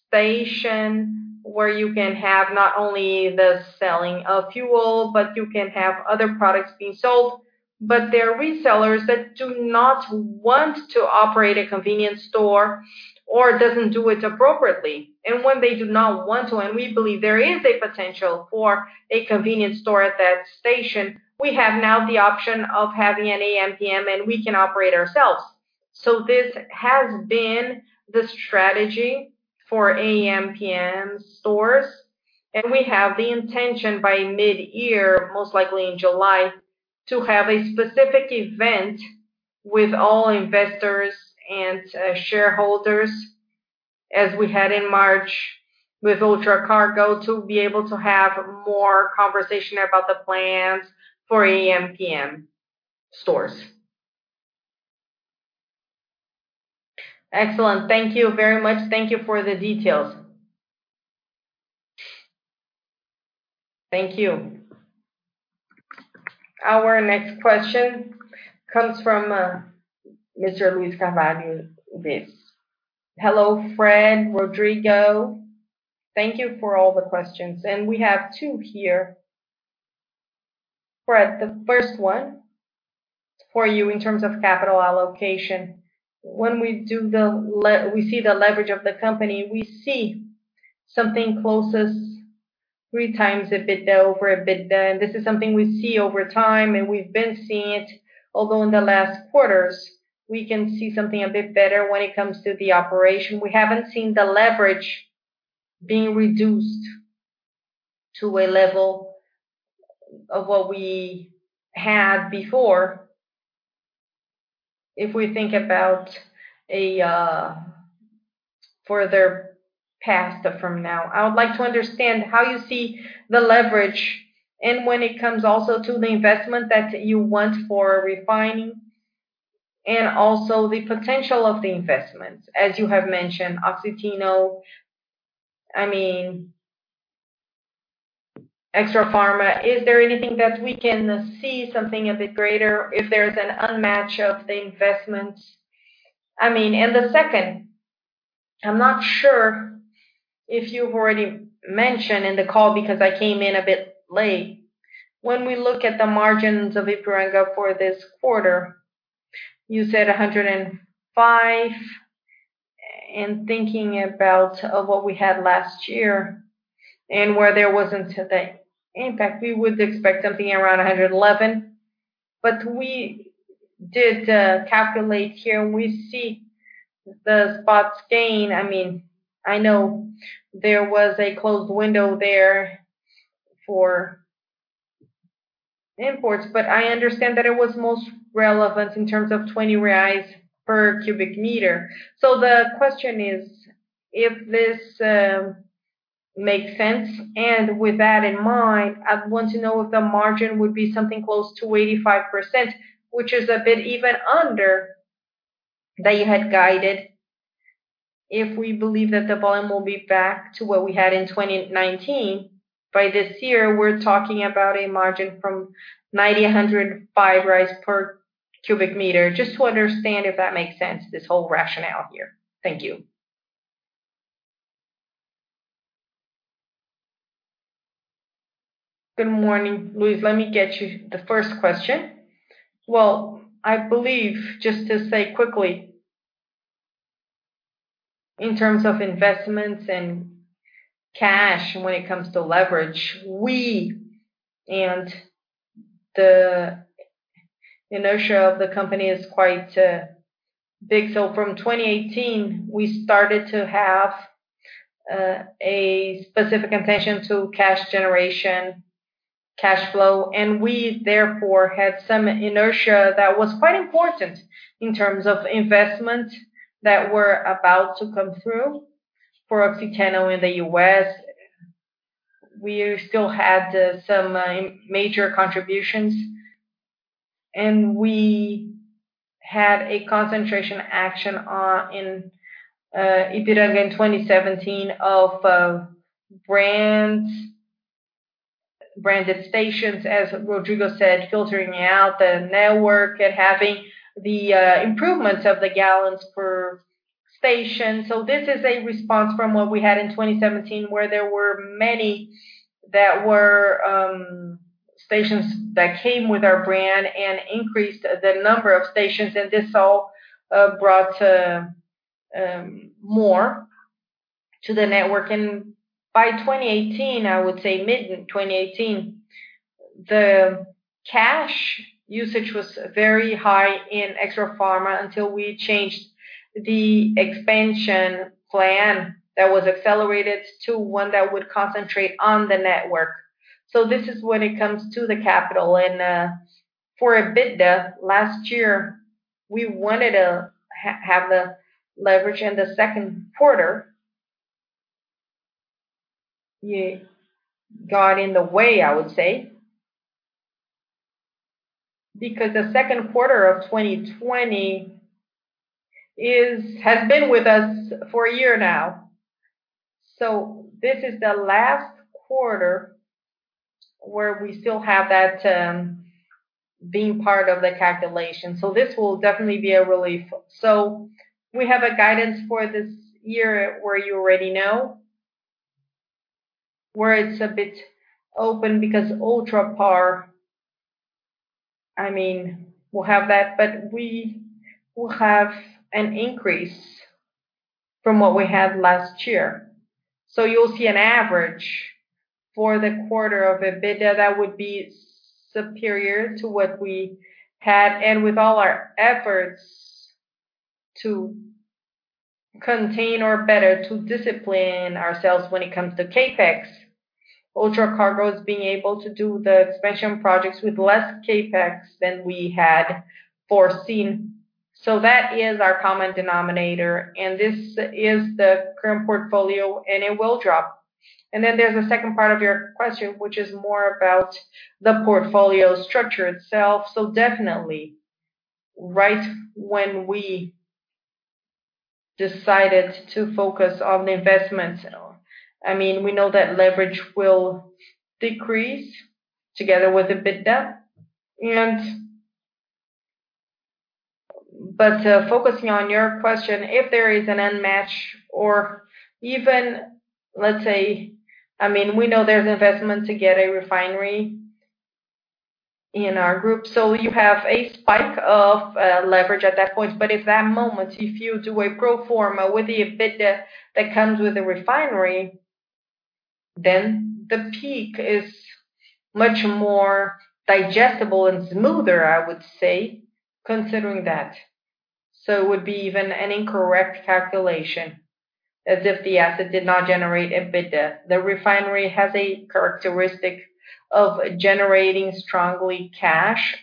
station where you can have not only the selling of fuel, but you can have other products being sold. There are resellers that do not want to operate a convenience store or doesn't do it appropriately. When they do not want to, and we believe there is a potential for a convenience store at that station, we have now the option of having an AmPm, and we can operate ourselves. This has been the strategy for AmPm stores, and we have the intention by mid-year, most likely in July, to have a specific event with all investors and shareholders, as we had in March with Ultracargo, to be able to have more conversation about the plans for AmPm stores. Excellent. Thank you very much. Thank you for the details. Thank you. Our next question comes from Mr. Luiz Carvalho, UBS. Hello, Fred, Rodrigo. Thank you for all the questions. We have two here. Fred, the first one for you in terms of capital allocation. When we see the leverage of the company, we see something close as 3x EBITDA over EBITDA, and this is something we see over time, and we've been seeing it, although in the last quarters, we can see something a bit better when it comes to the operation. We haven't seen the leverage being reduced to a level of what we had before. If we think about a further past from now. I would like to understand how you see the leverage and when it comes also to the investment that you want for refining, and also the potential of the investments. As you have mentioned, Oxiteno, Extrafarma. Is there anything that we can see something a bit greater if there's an unmatch of the investments? The second, I'm not sure if you've already mentioned in the call because I came in a bit late. When we look at the margins of Ipiranga for this quarter, you said 105 million, and thinking about what we had last year and where there wasn't today, in fact, we would expect something around 111 million. We did calculate here, and we see the spot gain. I know there was a closed window there for imports. I understand that it was most relevant in terms of 20 reais per cubic meter. The question is, if this makes sense, and with that in mind, I want to know if the margin would be something close to 85%, which is a bit even under that you had guided. If we believe that the volume will be back to what we had in 2019, by this year, we're talking about a margin from 9,105 per cubic meter. Just to understand if that makes sense, this whole rationale here. Thank you. Good morning, Luiz. Let me get you the first question. Well, I believe, just to say quickly, in terms of investments and cash, when it comes to leverage, we and the inertia of the company is quite big. From 2018, we started to have a specific intention to cash generation, cash flow, and we, therefore, had some inertia that was quite important in terms of investments that were about to come through for Oxiteno in the U.S. We still had some major contributions, and we had a concentration action in Ipiranga in 2017 of branded stations, as Rodrigo said, filtering out the network and having the improvements of the gallons per station. This is a response from what we had in 2017, where there were many stations that came with our brand and increased the number of stations, and this all brought more to the network. By 2018, I would say mid-2018, the cash usage was very high in Extrafarma until we changed the expansion plan that was accelerated to one that would concentrate on the network. This is when it comes to the capital. For EBITDA last year, we wanted to have the leverage in the second quarter. It got in the way, I would say, because the second quarter of 2020 has been with us for a year now. This is the last quarter where we still have that being part of the calculation. This will definitely be a relief. We have a guidance for this year where you already know, where it's a bit open because Ultrapar, we'll have that, but we will have an increase from what we had last year. You'll see an average for the quarter of EBITDA that would be superior to what we had. With all our efforts to contain or better to discipline ourselves when it comes to CapEx, Ultracargo is being able to do the expansion projects with less CapEx than we had foreseen. That is our common denominator, this is the current portfolio, and it will drop. Then there's a second part of your question, which is more about the portfolio structure itself. Definitely, right when we decided to focus on the investments. We know that leverage will decrease together with EBITDA. Focusing on your question, if there is an unmatch or even, let's say, we know there's investment to get a refinery in our group, so you have a spike of leverage at that point. At that moment, if you do a pro forma with the EBITDA that comes with the refinery, then the peak is much more digestible and smoother, I would say, considering that. It would be even an incorrect calculation as if the asset did not generate EBITDA. The refinery has a characteristic of generating strongly cash.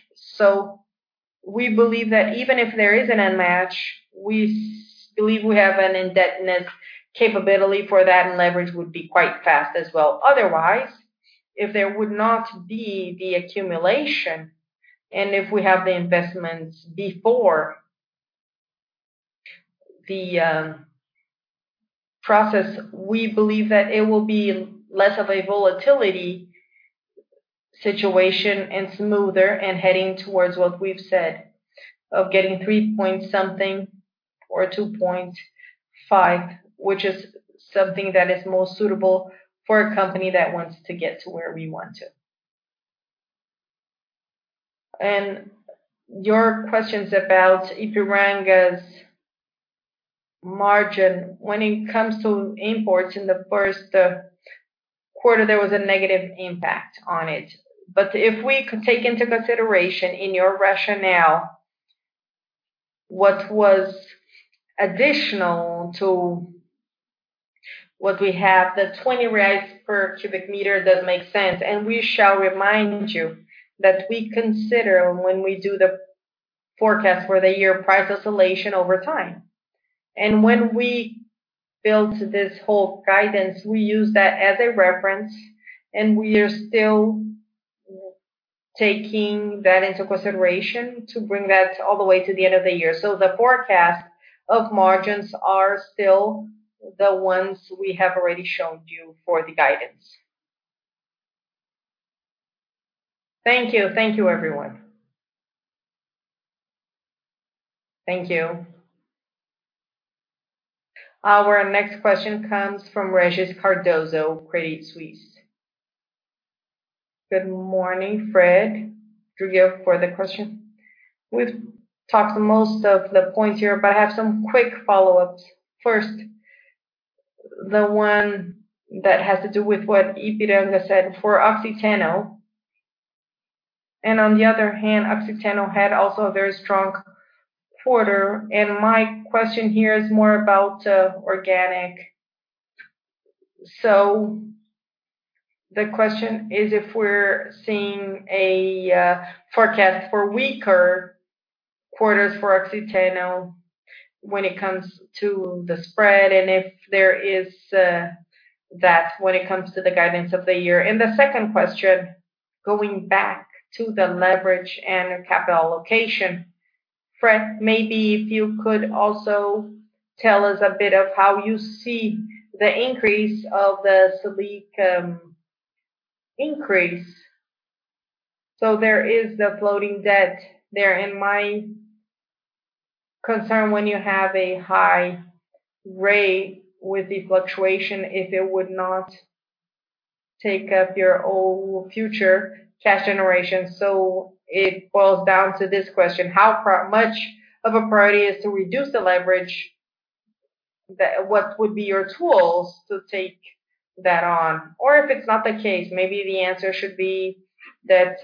We believe that even if there is an unmatch, we believe we have an indebtedness capability for that, and leverage would be quite fast as well. Otherwise, if there would not be the accumulation and if we have the investments before the process, we believe that it will be less of a volatility situation and smoother and heading towards what we've said of getting three-point-something or 2.5, which is something that is more suitable for a company that wants to get to where we want to. Your questions about Ipiranga's margin. It comes to imports in the first quarter, there was a negative impact on it. If we could take into consideration in your rationale what was additional to what we have, the 20 reais per cubic meter does make sense. We shall remind you that we consider when we do the forecast for the year price oscillation over time. When we built this whole guidance, we used that as a reference, and we are still taking that into consideration to bring that all the way to the end of the year. The forecast of margins are still the ones we have already shown you for the guidance. Thank you. Thank you, everyone. Thank you. Our next question comes from Regis Cardoso, Credit Suisse. Good morning, Fred, Rodrigo, for the question. We've talked most of the points here, but I have some quick follow-ups. The one that has to do with what Ipiranga said for Oxiteno. On the other hand, Oxiteno had also a very strong quarter, and my question here is more about organic. The question is if we're seeing a forecast for weaker quarters for Oxiteno when it comes to the spread, and if there is that when it comes to the guidance of the year. The second question, going back to the leverage and capital allocation, Fred, maybe if you could also tell us a bit of how you see the increase of the Selic increase. There is the floating debt there, and my concern when you have a high rate with the fluctuation, if it would not take up your whole future cash generation. It boils down to this question: how much of a priority is to reduce the leverage? What would be your tools to take that on? If it's not the case, maybe the answer should be that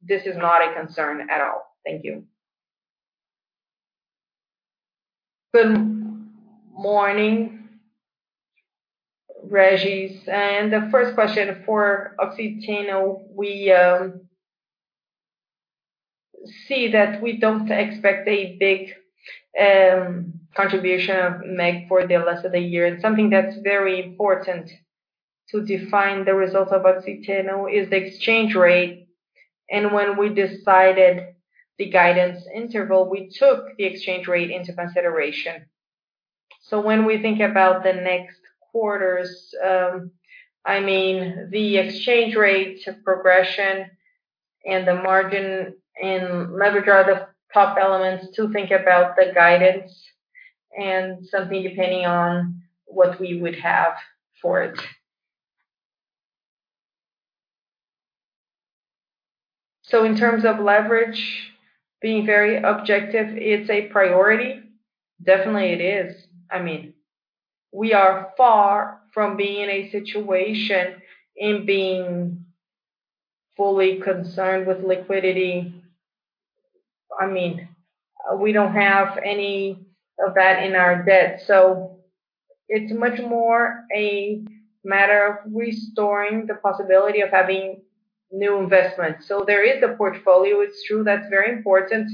this is not a concern at all. Thank you. Good morning, Regis. The first question for Oxiteno, we see that we don't expect a big contribution of MEG for the rest of the year. Something that's very important to define the results of Oxiteno is the exchange rate. When we decided the guidance interval, we took the exchange rate into consideration. When we think about the next quarters, the exchange rate progression and the margin and leverage are the top elements to think about the guidance, and something depending on what we would have for it. In terms of leverage, being very objective, it's a priority. Definitely it is. We are far from being in a situation fully concerned with liquidity. We don't have any of that in our debt. It's much more a matter of restoring the possibility of having new investments. There is a portfolio, it's true, that's very important,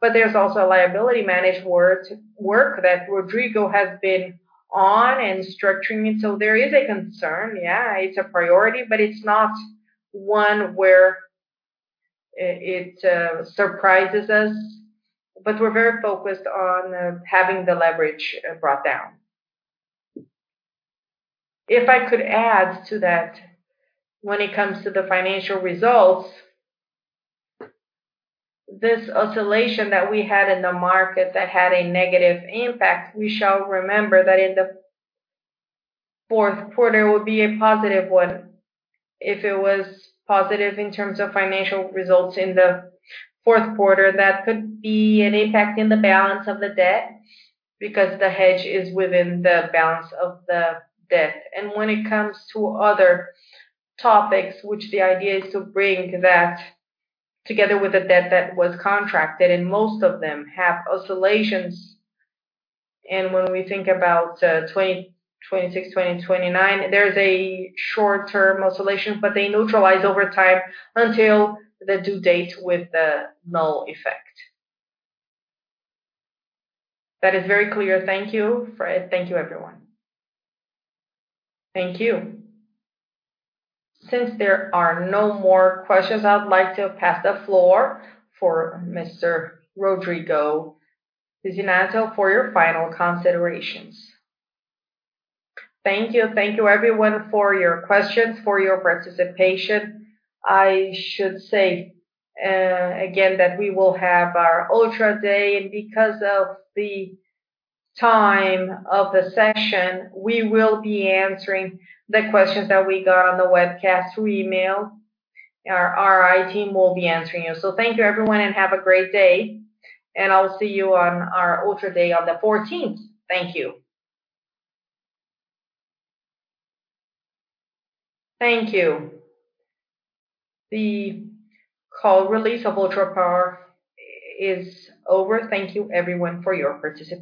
but there's also a liability management work that Rodrigo has been on and structuring. There is a concern, yeah. It's a priority, but it's not one where it surprises us. We're very focused on having the leverage brought down. If I could add to that, when it comes to the financial results, this oscillation that we had in the market that had a negative impact, we shall remember that in the fourth quarter will be a positive one. If it was positive in terms of financial results in the fourth quarter, that could be an impact in the balance of the debt because the hedge is within the balance of the debt. When it comes to other topics, which the idea is to bring that together with the debt that was contracted, most of them have oscillations. When we think about 2026, 2029, there is a short-term oscillation, but they neutralize over time until the due date with the null effect. That is very clear. Thank you, Fred. Thank you, everyone. Thank you. Since there are no more questions, I would like to pass the floor for Mr. Rodrigo Pizzinatto for your final considerations. Thank you. Thank you, everyone, for your questions, for your participation. I should say again that we will have our Ultra Day. Because of the time of the session, we will be answering the questions that we got on the webcast through email. Our IR team will be answering you. Thank you, everyone, and have a great day, and I'll see you on our Ultra Day on the 14th. Thank you. Thank you. The call release of Ultrapar is over. Thank you, everyone, for your participation.